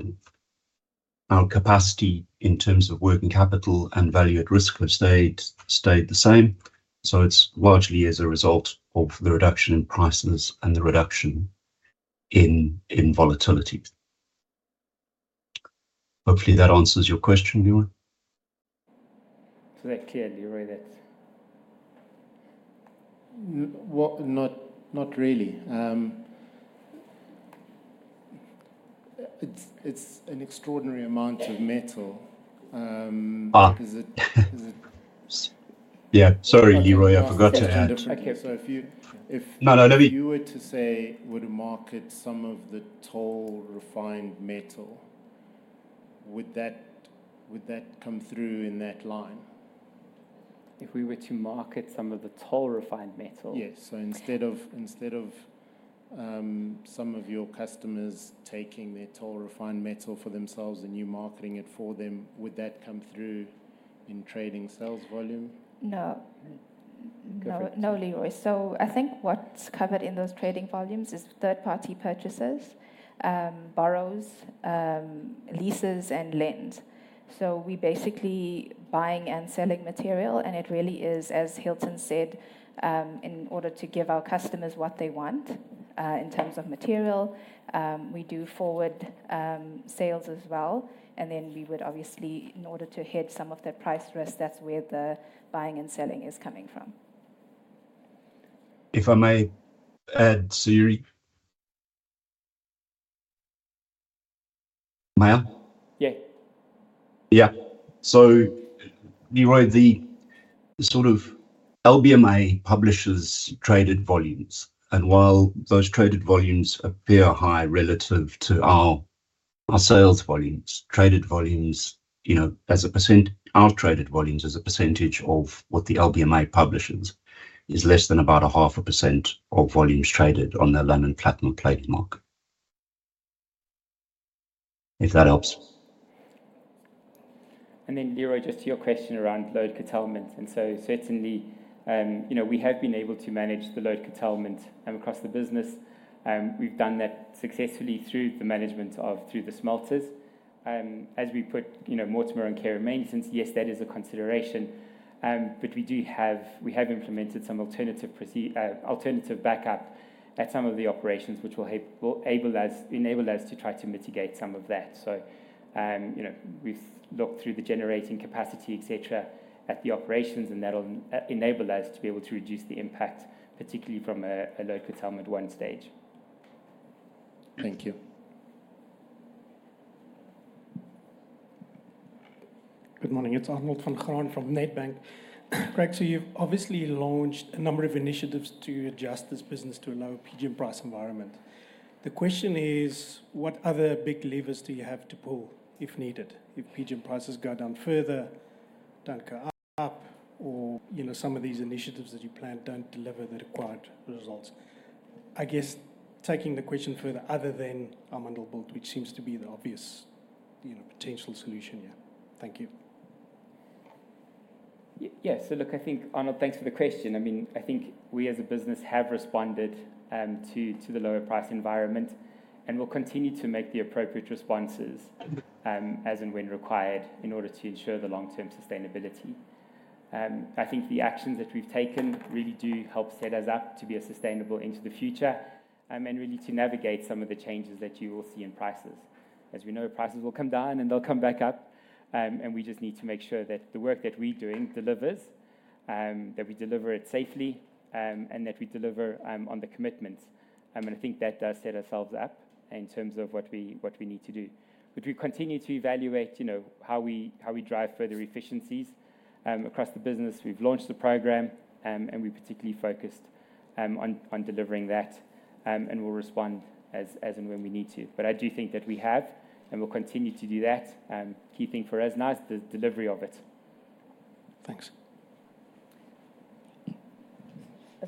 capacity in terms of working capital and value at risk has stayed the same. It's largely as a result of the reduction in prices and the reduction in volatility. Hopefully, that answers your question, Leroy. Does that clear, Leroy, that? Not really. It's an extraordinary amount of metal. Yeah. Sorry, Leroy. I forgot to add. OK. So if you were to say we're to market some of the toll refined metal, would that come through in that line? If we were to market some of the toll refined metal? Yes. So instead of some of your customers taking their toll refined metal for themselves and you marketing it for them, would that come through in trading sales volume? No. No, Leroy. So I think what's covered in those trading volumes is third-party purchases, borrows, leases, and lend. So we're basically buying and selling material. And it really is, as Hilton said, in order to give our customers what they want in terms of material. We do forward sales as well. And then we would obviously, in order to hedge some of that price risk, that's where the buying and selling is coming from. If I may add, Sayurie Naidoo? Yeah. Yeah. So Leroy, the sort of LBMA publishes traded volumes. And while those traded volumes appear high relative to our sales volumes, traded volumes as a percent our traded volumes as a percentage of what the LBMA publishes is less than about 0.5% of volumes traded on the London Platinum and Palladium Market, if that helps. And then Leroy, just to your question around load curtailment. So certainly, we have been able to manage the load curtailment across the business. We've done that successfully through the management of the smelters. As we put Mortimer on care and maintenance, yes, that is a consideration. But we have implemented some alternative backup at some of the operations, which will enable us to try to mitigate some of that. So we've looked through the generating capacity, et cetera, at the operations. And that'll enable us to be able to reduce the impact, particularly from a load curtailment one stage. Thank you. Good morning. It's Arnold van Graan from Nedbank. Greg, so you've obviously launched a number of initiatives to adjust this business to a lower PGM price environment. The question is, what other big levers do you have to pull if needed, if PGM prices go down further, don't go up, or some of these initiatives that you plan don't deliver the required results? I guess, taking the question further, other than our Amandelbult, which seems to be the obvious potential solution, yeah. Thank you. Yeah. So look, I think, Arnold, thanks for the question. I mean, I think we as a business have responded to the lower price environment. We'll continue to make the appropriate responses as and when required in order to ensure the long-term sustainability. I think the actions that we've taken really do help set us up to be a sustainable entity in the future and really to navigate some of the changes that you will see in prices. As we know, prices will come down, and they'll come back up. We just need to make sure that the work that we're doing delivers, that we deliver it safely, and that we deliver on the commitments. I think that does set ourselves up in terms of what we need to do. But we continue to evaluate how we drive further efficiencies across the business. We've launched the program, and we're particularly focused on delivering that. And we'll respond as and when we need to. But I do think that we have, and we'll continue to do that. Key thing for us now is the delivery of it. Thanks.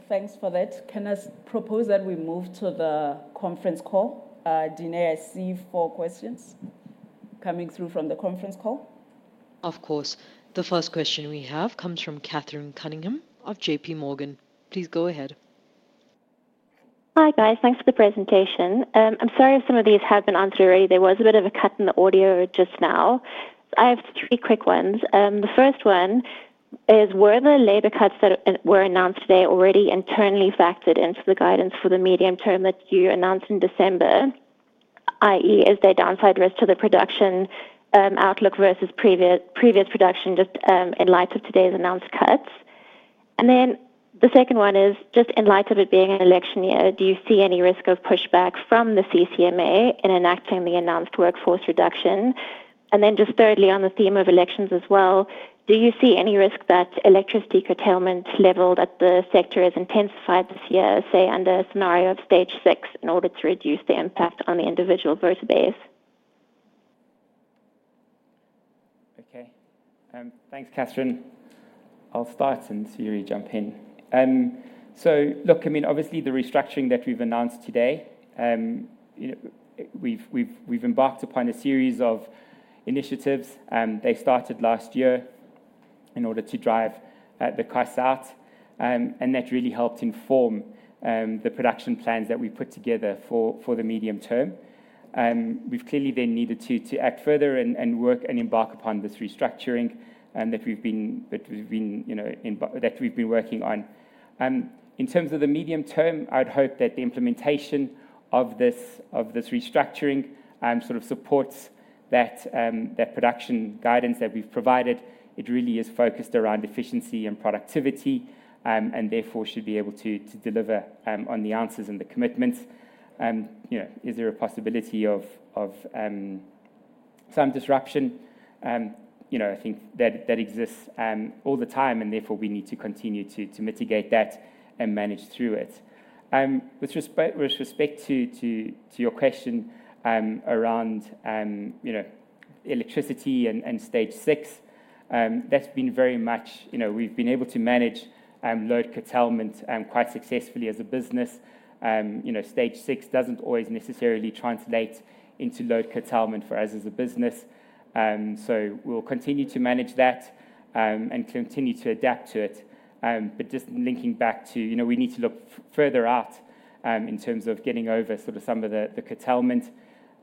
Thanks for that. Can I propose that we move to the conference call? Dineo, I see four questions coming through from the conference call. Of course. The first question we have comes from Catherine Cunningham of J.P. Morgan. Please go ahead. Hi, guys. Thanks for the presentation. I'm sorry if some of these have been answered already. There was a bit of a cut in the audio just now. I have three quick ones. The first one is, were the labor cuts that were announced today already internally factored into the guidance for the medium term that you announced in December, i.e., is there downside risk to the production outlook versus previous production just in light of today's announced cuts? And then the second one is, just in light of it being an election year, do you see any risk of pushback from the CCMA in enacting the announced workforce reduction? And then just thirdly, on the theme of elections as well, do you see any risk that electricity curtailment leveled at the sector is intensified this year, say under a scenario of stage six, in order to reduce the impact on the individual voter base? OK. Thanks, Catherine. I'll start, and Sayurie, jump in. So look, I mean, obviously, the restructuring that we've announced today, we've embarked upon a series of initiatives. They started last year in order to drive the costs out. That really helped inform the production plans that we put together for the medium term. We've clearly then needed to act further and work and embark upon this restructuring that we've been working on. In terms of the medium term, I'd hope that the implementation of this restructuring sort of supports that production guidance that we've provided. It really is focused around efficiency and productivity and therefore should be able to deliver on the answers and the commitments. Is there a possibility of some disruption? I think that exists all the time. Therefore, we need to continue to mitigate that and manage through it. With respect to your question around electricity and stage six, that's been very much we've been able to manage load curtailment quite successfully as a business. Stage six doesn't always necessarily translate into load curtailment for us as a business. So we'll continue to manage that and continue to adapt to it. But just linking back to we need to look further out in terms of getting over sort of some of the curtailment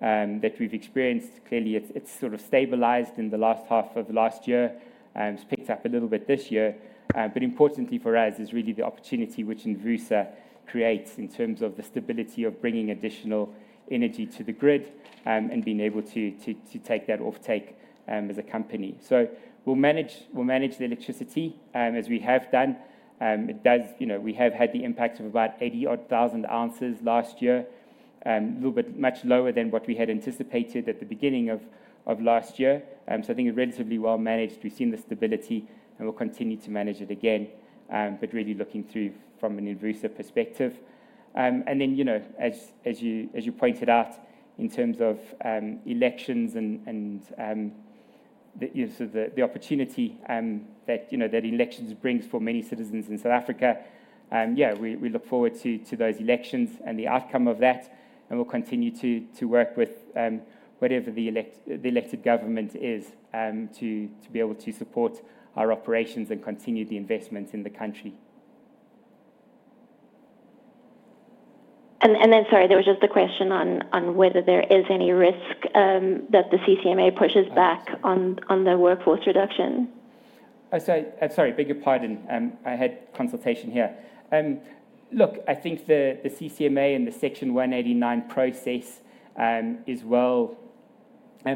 that we've experienced. Clearly, it's sort of stabilized in the last half of last year. It's picked up a little bit this year. But importantly for us is really the opportunity which Envusa creates in terms of the stability of bringing additional energy to the grid and being able to take that offtake as a company. So we'll manage the electricity as we have done. We have had the impact of about 80,000-odd ounces last year, a little bit much lower than what we had anticipated at the beginning of last year. So I think it's relatively well managed. We've seen the stability. And we'll continue to manage it again, but really looking through from an Envusa perspective. And then as you pointed out, in terms of elections and sort of the opportunity that elections bring for many citizens in South Africa, yeah, we look forward to those elections and the outcome of that. And we'll continue to work with whatever the elected government is to be able to support our operations and continue the investments in the country. And then, sorry, there was just a question on whether there is any risk that the CCMA pushes back on the workforce reduction? Sorry, big apologies. I had consultation here. Look, I think the CCMA and the Section 189 process is well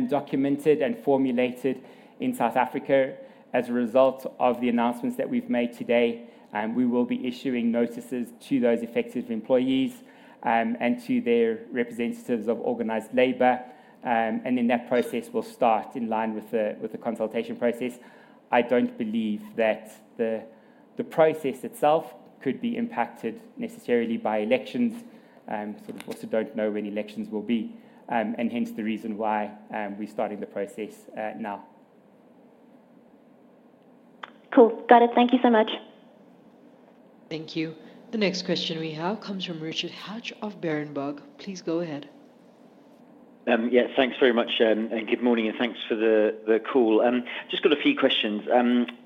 documented and formulated in South Africa. As a result of the announcements that we've made today, we will be issuing notices to those affected employees and to their representatives of organized labor. And in that process, we'll start in line with the consultation process. I don't believe that the process itself could be impacted necessarily by elections. Sort of also don't know when elections will be, and hence the reason why we're starting the process now. Cool. Got it. Thank you so much. Thank you. The next question we have comes from Richard Hatch of Berenberg. Please go ahead. Yes. Thanks very much. Good morning. Thanks for the call. I've just got a few questions.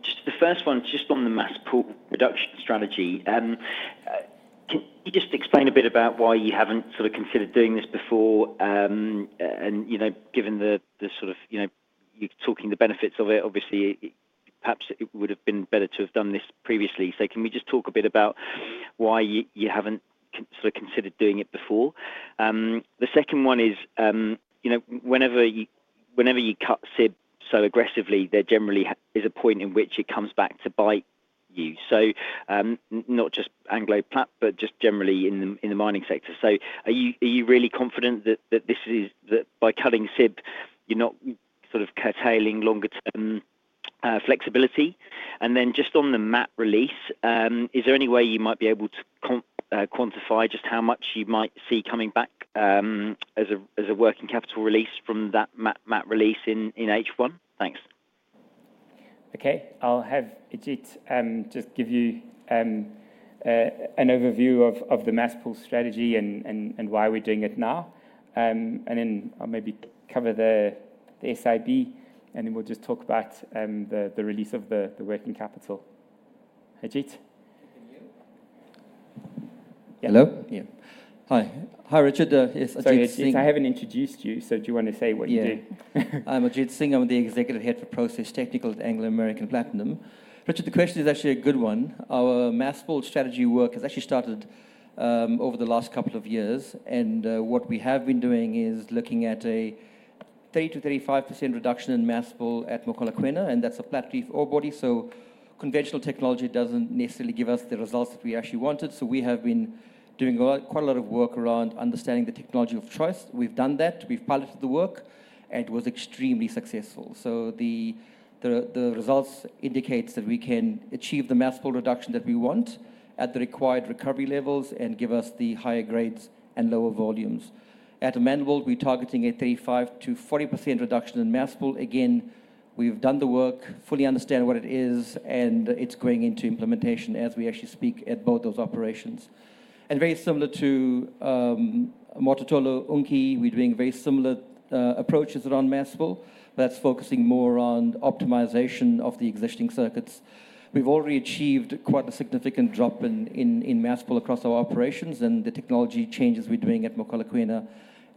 Just the first one, just on the Mass Pool Reduction strategy. Can you just explain a bit about why you haven't sort of considered doing this before? And given the sort of you're talking the benefits of it, obviously, perhaps it would have been better to have done this previously. So can we just talk a bit about why you haven't sort of considered doing it before? The second one is, whenever you cut CIB so aggressively, there generally is a point in which it comes back to bite you, so not just Anglo-Plat, but just generally in the mining sector. So are you really confident that by cutting CIB, you're not sort of curtailing longer-term flexibility? And then just on the MAP release, is there any way you might be able to quantify just how much you might see coming back as a working capital release from that MAP release in H1? Thanks. OK. I'll have Ajit just give you an overview of the mass pool strategy and why we're doing it now. Then I'll maybe cover the SIB. Then we'll just talk about the release of the working capital. Ajit? Hello? Hi. Hi, Richard. Yes. Ajit Singh. Ajit, I haven't introduced you. Do you want to say what you do? Yeah. I'm Ajit Singh. I'm the executive head for process technical at Anglo American Platinum. Richard, the question is actually a good one. Our mass pool strategy work has actually started over the last couple of years. And what we have been doing is looking at a 30%-35% reduction in mass pool at Mogalakwena. And that's a flat reef ore body. So conventional technology doesn't necessarily give us the results that we actually wanted. So we have been doing quite a lot of work around understanding the technology of choice. We've done that. We've piloted the work. And it was extremely successful. So the results indicate that we can achieve the Mass Pull Reduction that we want at the required recovery levels and give us the higher grades and lower volumes. At Amandelbult, we're targeting a 35%-40% reduction in mass pool. Again, we've done the work, fully understand what it is. And it's going into implementation as we actually speak at both those operations. And very similar to Mototolo Unki, we're doing very similar approaches around mass pull. But that's focusing more on optimization of the existing circuits. We've already achieved quite a significant drop in mass pull across our operations. And the technology changes we're doing at Mogalakwena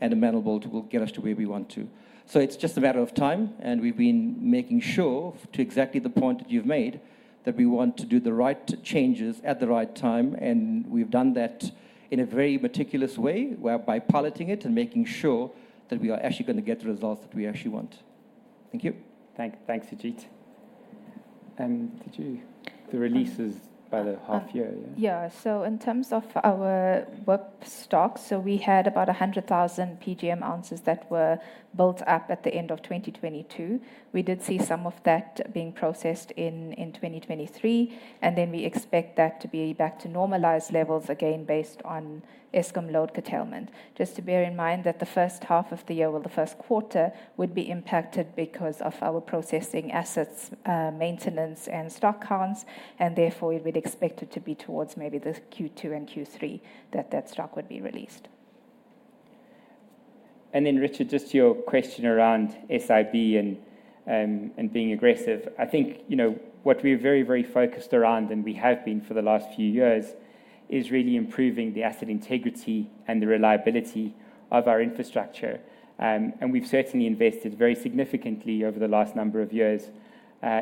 and Amandelbult will get us to where we want to. So it's just a matter of time. And we've been making sure, to exactly the point that you've made, that we want to do the right changes at the right time. And we've done that in a very meticulous way whereby piloting it and making sure that we are actually going to get the results that we actually want. Thank you. Thanks, Ajit. The releases by the half year, yeah? Yeah. So in terms of our work stock, so we had about 100,000 PGM ounces that were built up at the end of 2022. We did see some of that being processed in 2023. And then we expect that to be back to normalized levels again based on Eskom load curtailment. Just to bear in mind that the first half of the year, well, the first quarter, would be impacted because of our processing assets, maintenance, and stock counts. And therefore, it would be expected to be towards maybe the Q2 and Q3 that that stock would be released. And then, Richard, just your question around SIB and being aggressive. I think what we're very, very focused around, and we have been for the last few years, is really improving the asset integrity and the reliability of our infrastructure. We've certainly invested very significantly over the last number of years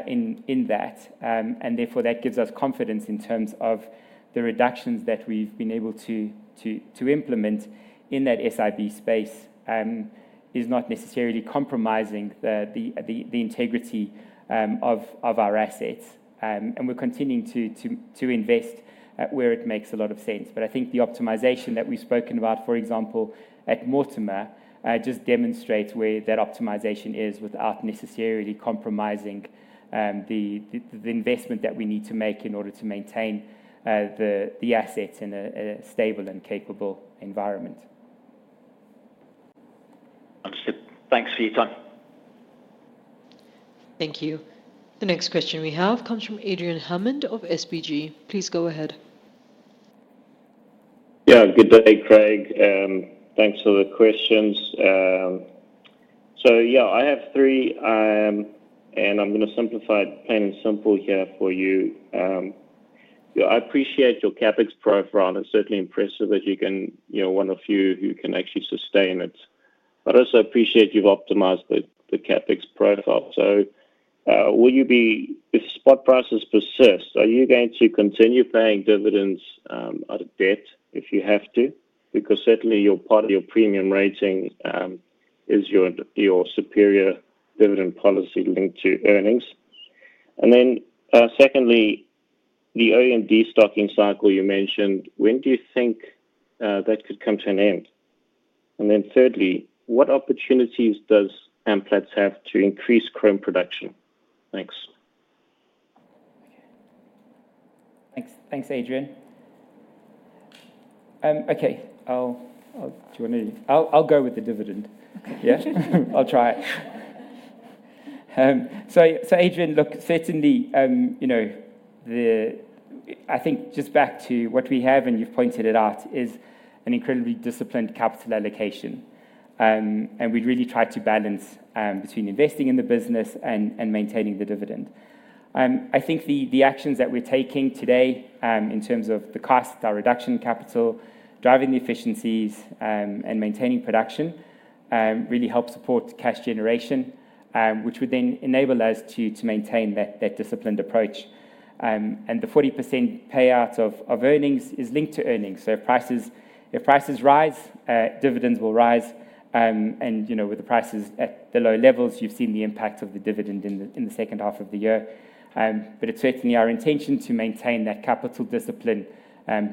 in that. And therefore, that gives us confidence in terms of the reductions that we've been able to implement in that SIB space, is not necessarily compromising the integrity of our assets. We're continuing to invest where it makes a lot of sense. But I think the optimization that we've spoken about, for example, at Mortimer, just demonstrates where that optimization is without necessarily compromising the investment that we need to make in order to maintain the assets in a stable and capable environment. Understood. Thanks for your time. Thank you. The next question we have comes from Adrian Hammond of SBG. Please go ahead. Yeah. Good day, Craig. Thanks for the questions. So yeah, I have three. I'm going to simplify it plain and simple here for you. I appreciate your CapEx profile. It's certainly impressive that you're one of few who can actually sustain it. But I also appreciate you've optimized the CapEx profile. So, if spot prices persist, will you be going to continue paying dividends out of debt if you have to? Because certainly, your premium rating is your superior dividend policy linked to earnings. And then secondly, the OEMD stocking cycle you mentioned, when do you think that could come to an end? And then thirdly, what opportunities does Amplats have to increase chrome production? Thanks. OK. Thanks, Adrian. OK. Do you want to? I'll go with the dividend, yeah? I'll try it. So, Adrian, look, certainly, I think just back to what we have, and you've pointed it out, is an incredibly disciplined capital allocation. And we'd really try to balance between investing in the business and maintaining the dividend. I think the actions that we're taking today in terms of the costs, our reduction capital, driving the efficiencies, and maintaining production really help support cash generation, which would then enable us to maintain that disciplined approach. And the 40% payout of earnings is linked to earnings. So if prices rise, dividends will rise. And with the prices at the low levels, you've seen the impact of the dividend in the second half of the year. But it's certainly our intention to maintain that capital discipline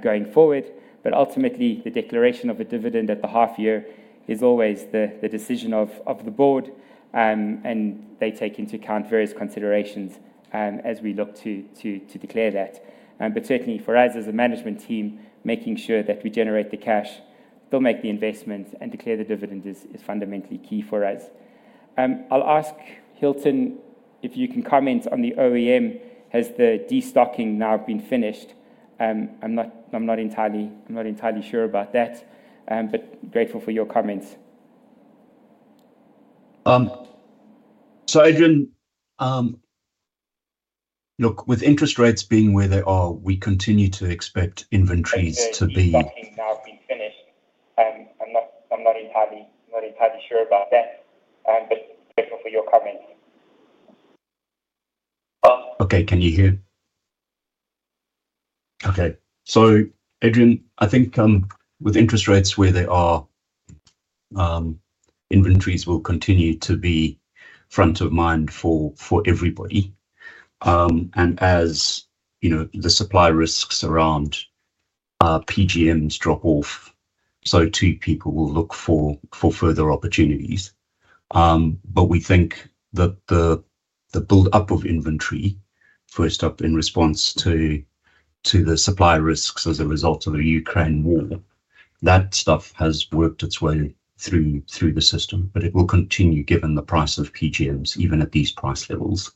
going forward. But ultimately, the declaration of a dividend at the half year is always the decision of the board. They take into account various considerations as we look to declare that. But certainly, for us as a management team, making sure that we generate the cash, they'll make the investments, and declare the dividend is fundamentally key for us. I'll ask Hilton if you can comment on the OEM. Has the destocking now been finished? I'm not entirely sure about that. But grateful for your comments. Adrian, look, with interest rates being where they are, we continue to expect inventories to be. Has the destocking now been finished? I'm not entirely sure about that. But grateful for your comments. OK. Can you hear? OK. So Adrian, I think with interest rates where they are, inventories will continue to be front of mind for everybody. And as the supply risks around PGMs drop off, so too, people will look for further opportunities. But we think that the buildup of inventory, first up in response to the supply risks as a result of the Ukraine war, that stuff has worked its way through the system. But it will continue, given the price of PGMs, even at these price levels,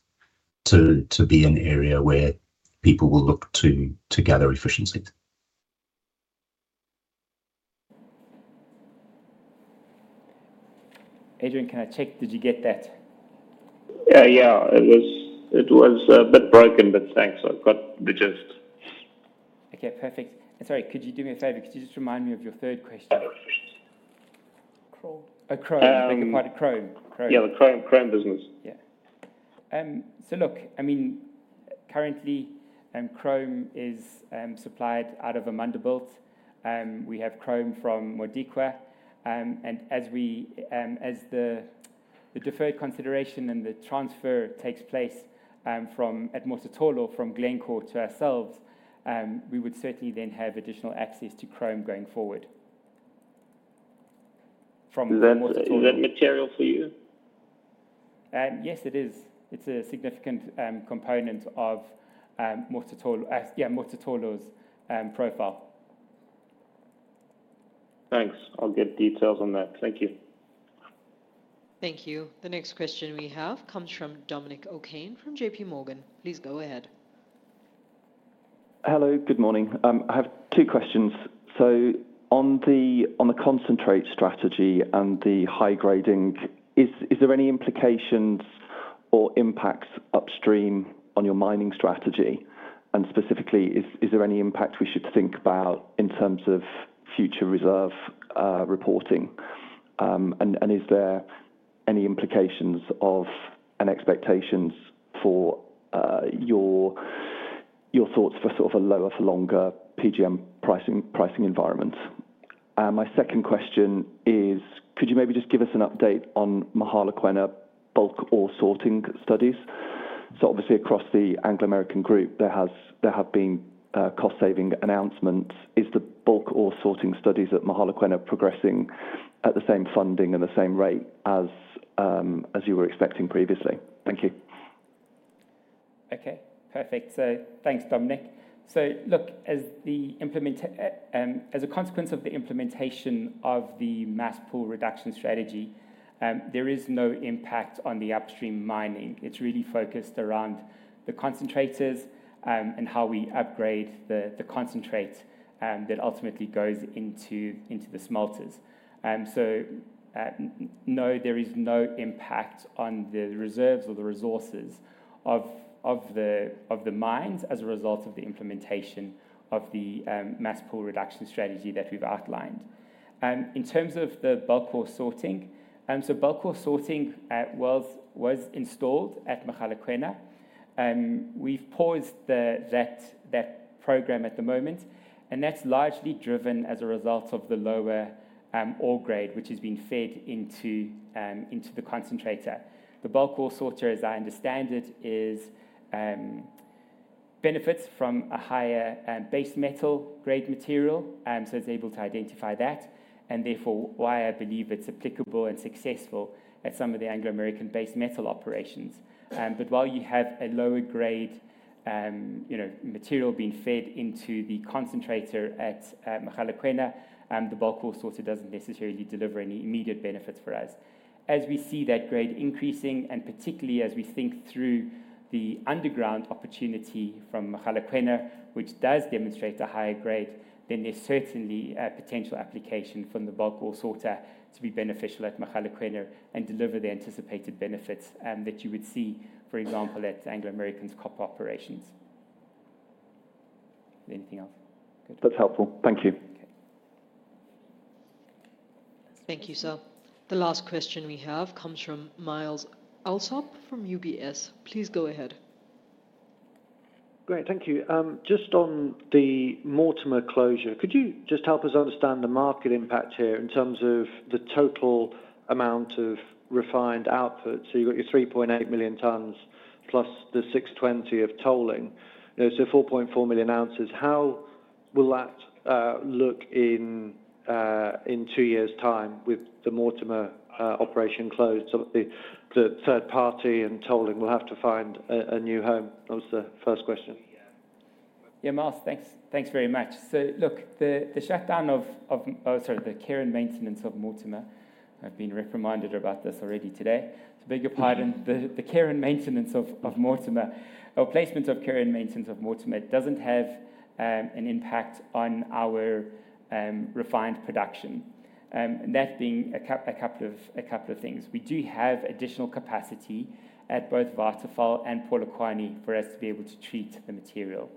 to be an area where people will look to gather efficiencies. Adrian, can I check? Did you get that? Yeah. Yeah. It was a bit broken. But thanks. I've got the gist. OK. Perfect. And sorry, could you do me a favor? Could you just remind me of your third question? Crawl. Oh, cool. I think I've heard of Chrome. Yeah. The Chrome business. Yeah. So look, I mean, currently, chrome is supplied out of Amandelbult. We have chrome from Modikwa. And as the deferred consideration and the transfer takes place at Mototolo from Glencore to ourselves, we would certainly then have additional access to chrome going forward from Mototolo. Is that material for you? Yes, it is. It's a significant component of Mototolo's profile. Thanks. I'll get details on that. Thank you. Thank you. The next question we have comes from Dominic O'Kane from J.P. Morgan. Please go ahead. Hello. Good morning. I have two questions. So on the concentrate strategy and the high grading, is there any implications or impacts upstream on your mining strategy? And specifically, is there any impact we should think about in terms of future reserve reporting? And is there any implications of and expectations for your thoughts for sort of a lower, for longer PGM pricing environment? My second question is, could you maybe just give us an update on Mogalakwena bulk ore sorting studies? So obviously, across the Anglo American group, there have been cost-saving announcements. Is the bulk ore sorting studies at Mogalakwena progressing at the same funding and the same rate as you were expecting previously? Thank you. OK. Perfect. So thanks, Dominic. So look, as a consequence of the implementation of the Mass Pool Reduction strategy, there is no impact on the upstream mining. It's really focused around the concentrators and how we upgrade the concentrate that ultimately goes into the smelters. So no, there is no impact on the reserves or the resources of the mines as a result of the implementation of the Mass Pool Reduction strategy that we've outlined. In terms of the bulk ore sorting, so bulk ore sorting was installed at Mogalakwena. We've paused that program at the moment. And that's largely driven as a result of the lower ore grade, which has been fed into the concentrator. The bulk ore sorter, as I understand it, benefits from a higher base metal grade material. So it's able to identify that. And therefore, why I believe it's applicable and successful at some of the Anglo American base metal operations. But while you have a lower grade material being fed into the concentrator at Mogalakwena, the bulk ore sorter doesn't necessarily deliver any immediate benefits for us. As we see that grade increasing, and particularly as we think through the underground opportunity from Mogalakwena, which does demonstrate a higher grade, then there's certainly a potential application from the bulk ore sorter to be beneficial at Mogalakwena and deliver the anticipated benefits that you would see, for example, at Anglo American's copper operations. Anything else? Good. That's helpful. Thank you. Thank you, sir. The last question we have comes from Myles Allsop from UBS. Please go ahead. Great. Thank you. Just on the Mortimer closure, could you just help us understand the market impact here in terms of the total amount of refined output? So you've got your 3.8 million tons plus the 620 of tolling. So 4.4 million ounces. How will that look in two years' time with the Mortimer operation closed? So the third party and tolling will have to find a new home. That was the first question. Yeah. Myles, thanks very much. So look, the shutdown of sorry, the care and maintenance of Mortimer. I've been reprimanded about this already today. It's a bigger part than the care and maintenance of Mortimer. Or placement of care and maintenance of Mortimer doesn't have an impact on our refined production. And that being a couple of things. We do have additional capacity at both Waterval and Polokwane for us to be able to treat the material.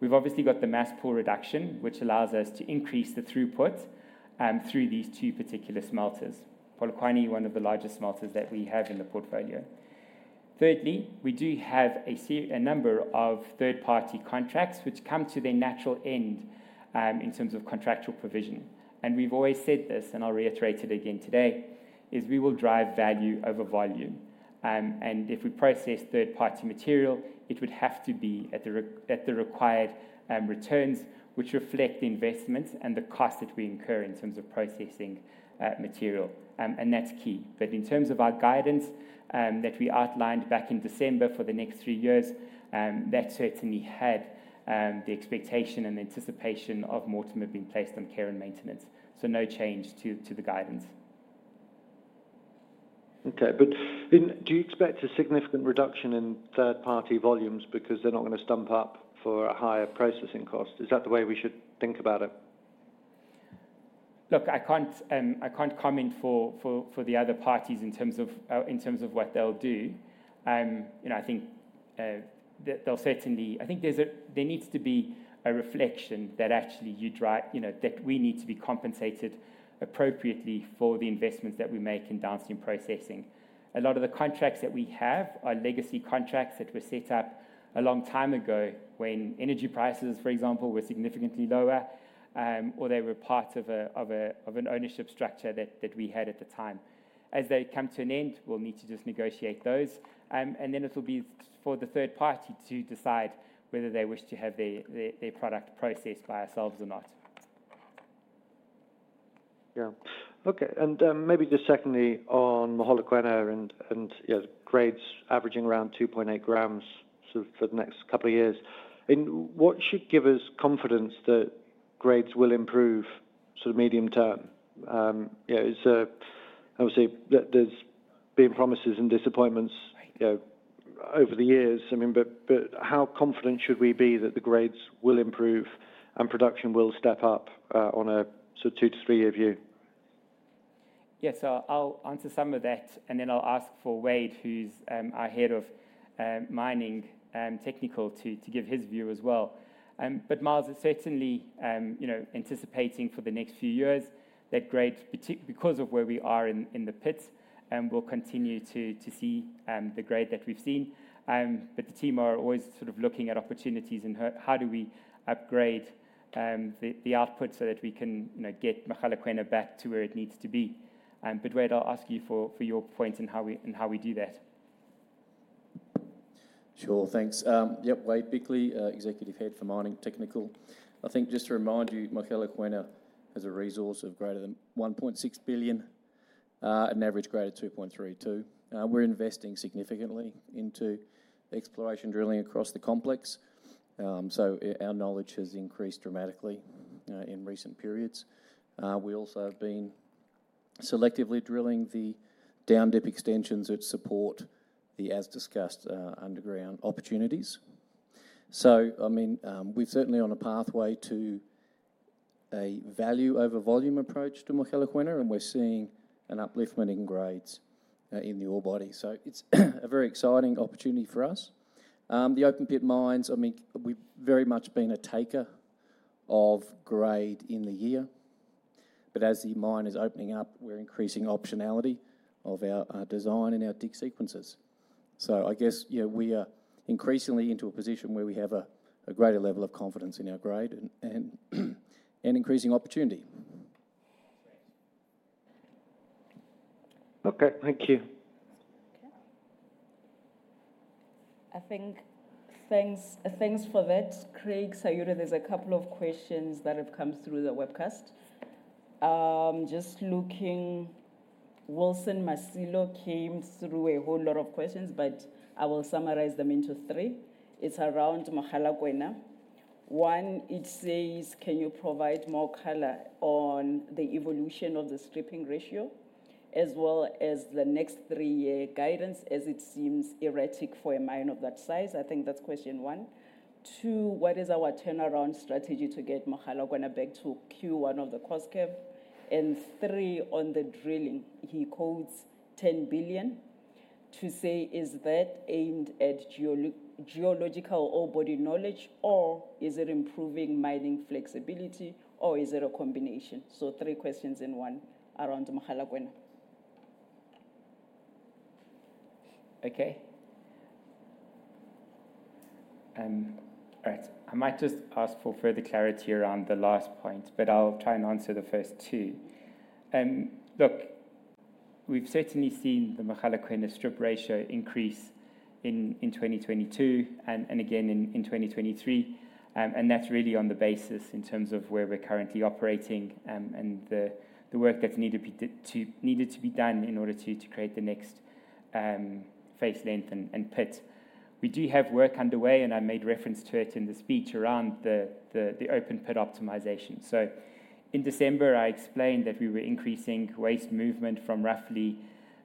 We've obviously got the Mass Pull Reduction, which allows us to increase the throughput through these two particular smelters, Polokwane, one of the largest smelters that we have in the portfolio. Thirdly, we do have a number of third-party contracts, which come to their natural end in terms of contractual provision. And we've always said this, and I'll reiterate it again today, is we will drive value over volume. If we process third-party material, it would have to be at the required returns, which reflect the investments and the cost that we incur in terms of processing material. That's key. In terms of our guidance that we outlined back in December for the next three years, that certainly had the expectation and the anticipation of Mortimer being placed on care and maintenance. No change to the guidance. OK. But then do you expect a significant reduction in third-party volumes because they're not going to stump up for a higher processing cost? Is that the way we should think about it? Look, I can't comment for the other parties in terms of what they'll do. I think there needs to be a reflection that actually you'd write that we need to be compensated appropriately for the investments that we make in downstream processing. A lot of the contracts that we have are legacy contracts that were set up a long time ago when energy prices, for example, were significantly lower, or they were part of an ownership structure that we had at the time. As they come to an end, we'll need to just negotiate those. And then it'll be for the third party to decide whether they wish to have their product processed by ourselves or not. Yeah. OK. And maybe just secondly on Mogalakwena and grades averaging around 2.8 grams sort of for the next couple of years, what should give us confidence that grades will improve sort of medium term? Obviously, there's been promises and disappointments over the years. I mean, but how confident should we be that the grades will improve and production will step up on a sort of two- to three-year view? Yes. I'll answer some of that. Then I'll ask for Wade, who's our Head of Mining Technical, to give his view as well. But Myles, it's certainly anticipating for the next few years that grades, because of where we are in the pits, will continue to see the grade that we've seen. But the team are always sort of looking at opportunities in how do we upgrade the output so that we can get Mogalakwena back to where it needs to be. But Wade, I'll ask you for your point in how we do that. Sure. Thanks. Yep. Wade Bickley, Executive Head for Mining Technical. I think just to remind you, Mogalakwena has a resource of greater than 1.6 billion, an average grade of 2.32. We're investing significantly into exploration drilling across the complex. So our knowledge has increased dramatically in recent periods. We also have been selectively drilling the down dip extensions that support the, as discussed, underground opportunities. So I mean, we're certainly on a pathway to a value over volume approach to Mogalakwena. And we're seeing an upliftment in grades in the ore body. So it's a very exciting opportunity for us. The open pit mines, I mean, we've very much been a taker of grade in the year. But as the mine is opening up, we're increasing optionality of our design and our dig sequences. I guess we are increasingly into a position where we have a greater level of confidence in our grade and increasing opportunity. OK. Thank you. I think thanks for that. Craig Sayurie, there's a couple of questions that have come through the webcast. Wilson Masilo came through a whole lot of questions. But I will summarize them into three. It's around Mogalakwena. One, it says, can you provide more color on the evolution of the stripping ratio as well as the next three-year guidance, as it seems erratic for a mine of that size? I think that's question one. Two, what is our turnaround strategy to get Mogalakwena back to Q1 of the cost curve? And three, on the drilling, he quotes 10 billion to say, is that aimed at geological ore body knowledge? Or is it improving mining flexibility? Or is it a combination? So three questions in one around Mogalakwena. OK. All right. I might just ask for further clarity around the last point. But I'll try and answer the first two. Look, we've certainly seen the Mogalakwena strip ratio increase in 2022 and again in 2023. That's really on the basis in terms of where we're currently operating and the work that needed to be done in order to create the next face length and pit. We do have work underway. I made reference to it in the speech around the open pit optimization. So in December, I explained that we were increasing waste movement from roughly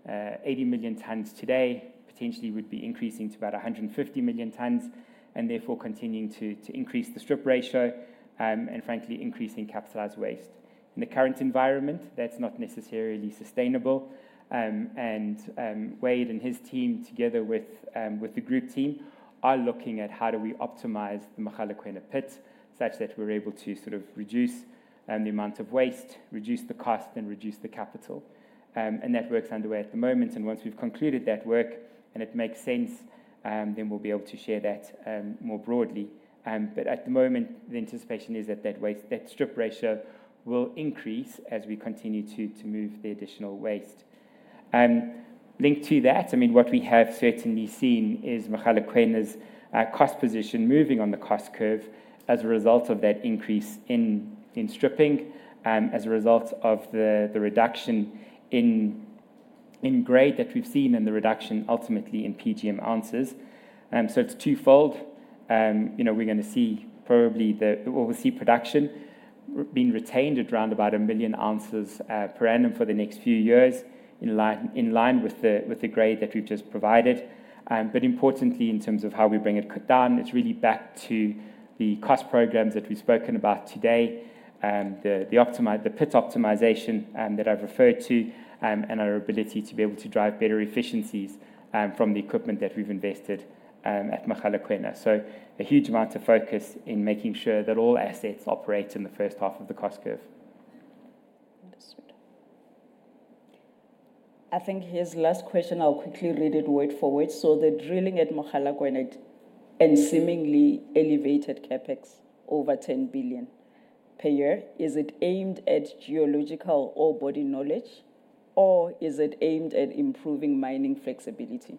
80 million tons today, potentially would be increasing to about 150 million tons, and therefore continuing to increase the strip ratio and, frankly, increasing capitalized waste. In the current environment, that's not necessarily sustainable. Wade and his team, together with the group team, are looking at how do we optimize the Mogalakwena pit such that we're able to sort of reduce the amount of waste, reduce the cost, and reduce the capital. That work is underway at the moment. Once we've concluded that work and it makes sense, then we'll be able to share that more broadly. But at the moment, the anticipation is that that strip ratio will increase as we continue to move the additional waste. Linked to that, I mean, what we have certainly seen is Mogalakwena's cost position moving on the cost curve as a result of that increase in stripping, as a result of the reduction in grade that we've seen and the reduction ultimately in PGM ounces. So it's twofold. We're going to see probably we'll see production being retained at around about 1 million ounces per annum for the next few years in line with the grade that we've just provided. But importantly, in terms of how we bring it down, it's really back to the cost programs that we've spoken about today, the pit optimization that I've referred to, and our ability to be able to drive better efficiencies from the equipment that we've invested at Mogalakwena. So a huge amount of focus in making sure that all assets operate in the first half of the cost curve. Understood. I think his last question, I'll quickly read it word for word. So the drilling at Mogalakwena and seemingly elevated CapEx over 10 billion per year, is it aimed at geological ore body knowledge? Or is it aimed at improving mining flexibility?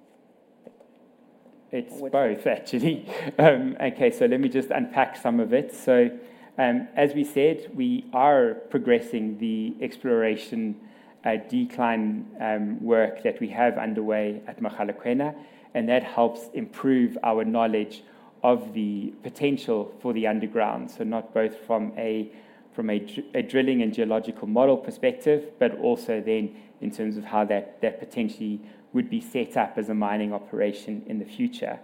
It's both, actually. OK. So let me just unpack some of it. So as we said, we are progressing the exploration decline work that we have underway at Mogalakwena. And that helps improve our knowledge of the potential for the underground, so not both from a drilling and geological model perspective, but also then in terms of how that potentially would be set up as a mining operation in the future.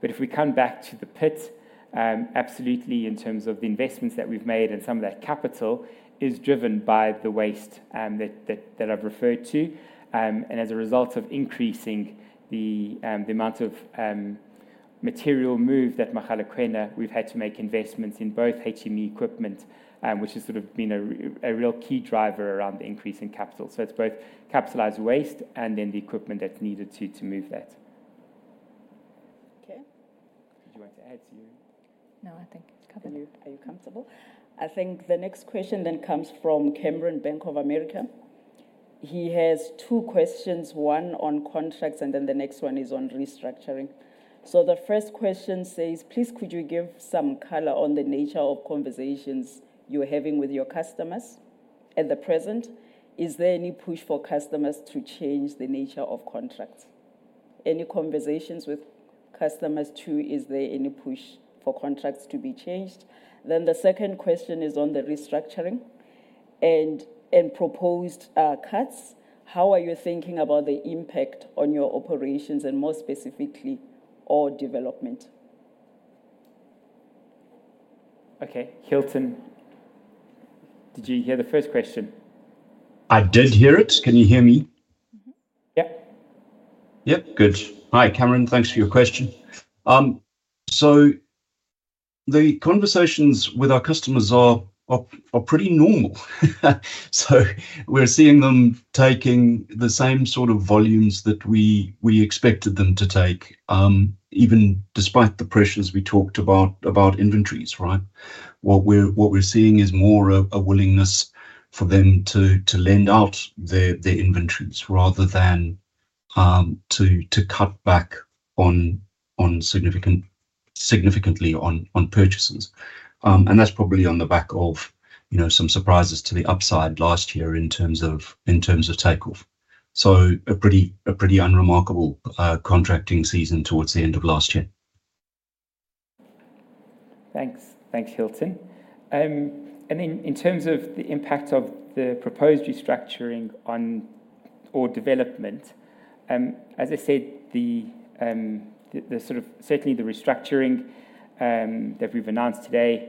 But if we come back to the pit, absolutely, in terms of the investments that we've made and some of that capital is driven by the waste that I've referred to. And as a result of increasing the amount of material move that Mogalakwena, we've had to make investments in both HME equipment, which has sort of been a real key driver around the increase in capital. It's both capitalized waste and then the equipment that's needed to move that. OK. Did you want to add, Sayurie? No. I think it's covered. Are you comfortable? I think the next question then comes from Cameron Brandt of Bank of America. He has two questions, one on contracts. And then the next one is on restructuring. So the first question says, please, could you give some color on the nature of conversations you're having with your customers at the present? Is there any push for customers to change the nature of contracts? Any conversations with customers to is there any push for contracts to be changed? Then the second question is on the restructuring and proposed cuts. How are you thinking about the impact on your operations and, more specifically, ore development? OK. Hilton, did you hear the first question? I did hear it. Can you hear me? Yep. Yep. Good. Hi, Cameron. Thanks for your question. So the conversations with our customers are pretty normal. So we're seeing them taking the same sort of volumes that we expected them to take, even despite the pressures we talked about inventories, right? What we're seeing is more a willingness for them to lend out their inventories rather than to cut back significantly on purchases. And that's probably on the back of some surprises to the upside last year in terms of takeoff. So a pretty unremarkable contracting season towards the end of last year. Thanks. Thanks, Hilton. And then in terms of the impact of the proposed restructuring on ore development, as I said, certainly the restructuring that we've announced today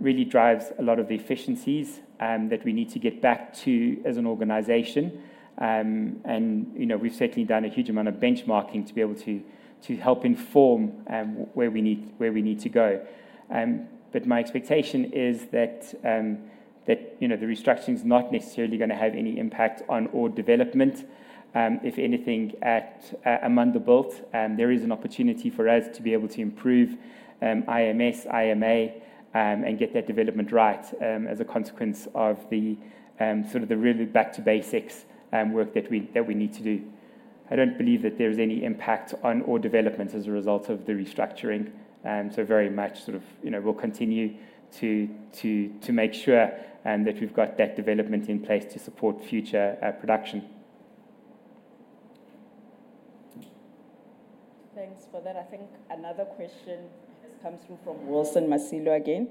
really drives a lot of the efficiencies that we need to get back to as an organization. And we've certainly done a huge amount of benchmarking to be able to help inform where we need to go. But my expectation is that the restructuring is not necessarily going to have any impact on ore development. If anything, at Amandelbult, there is an opportunity for us to be able to improve IMS, IMA, and get that development right as a consequence of sort of the really back to basics work that we need to do. I don't believe that there is any impact on ore development as a result of the restructuring. Very much sort of, we'll continue to make sure that we've got that development in place to support future production. Thanks for that. I think another question has come through from Wilson Masilo again.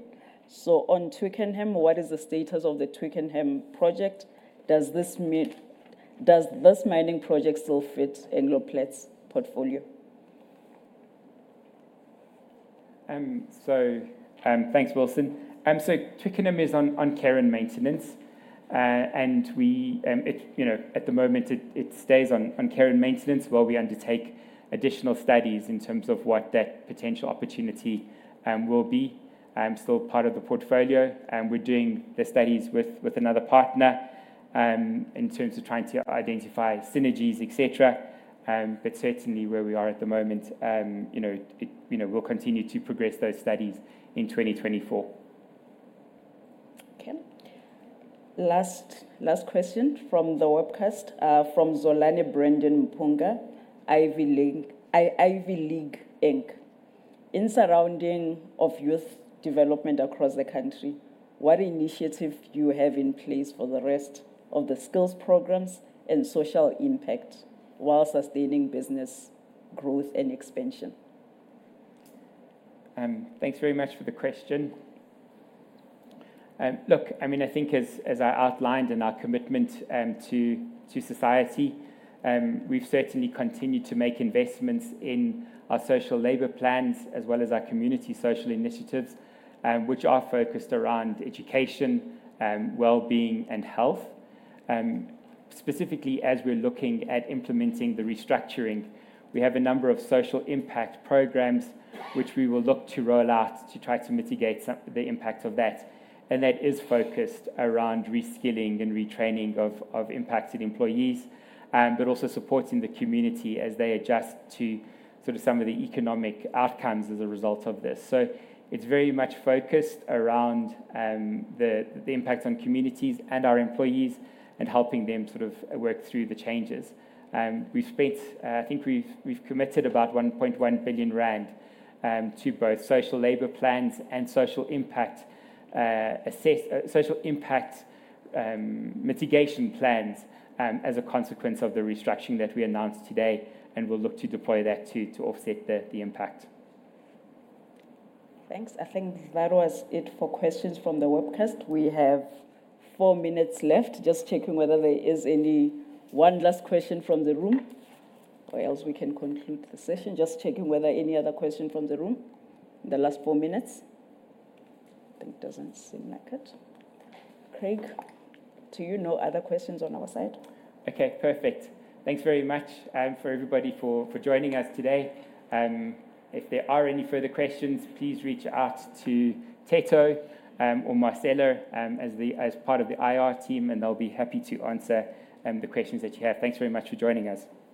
So on Twickenham, what is the status of the Twickenham project? Does this mining project still fit Anglo Platinum's portfolio? So thanks, Wilson. Twickenham is on care and maintenance. At the moment, it stays on care and maintenance while we undertake additional studies in terms of what that potential opportunity will be. Still part of the portfolio. We're doing the studies with another partner in terms of trying to identify synergies, et cetera. But certainly, where we are at the moment, we'll continue to progress those studies in 2024. OK. Last question from the webcast from Zolani Brendan Mpunga, Ivy League, Inc. In surrounding youth development across the country, what initiative do you have in place for the rest of the skills programs and social impact while sustaining business growth and expansion? Thanks very much for the question. Look, I mean, I think as I outlined in our commitment to society, we've certainly continued to make investments in our social labor plans as well as our community social initiatives, which are focused around education, well-being, and health. Specifically, as we're looking at implementing the restructuring, we have a number of social impact programs, which we will look to roll out to try to mitigate the impact of that. And that is focused around reskilling and retraining of impacted employees, but also supporting the community as they adjust to sort of some of the economic outcomes as a result of this. So it's very much focused around the impact on communities and our employees and helping them sort of work through the changes. I think we've committed about 1.1 billion rand to both social labor plans and social impact mitigation plans as a consequence of the restructuring that we announced today. We'll look to deploy that to offset the impact. Thanks. I think that was it for questions from the webcast. We have four minutes left. Just checking whether there is any one last question from the room, or else we can conclude the session. Just checking whether any other question from the room in the last four minutes. I think it doesn't seem like it. Craig, do you know other questions on our side? OK. Perfect. Thanks very much for everybody for joining us today. If there are any further questions, please reach out to Theto or Marcela as part of the IR team. They'll be happy to answer the questions that you have. Thanks very much for joining us.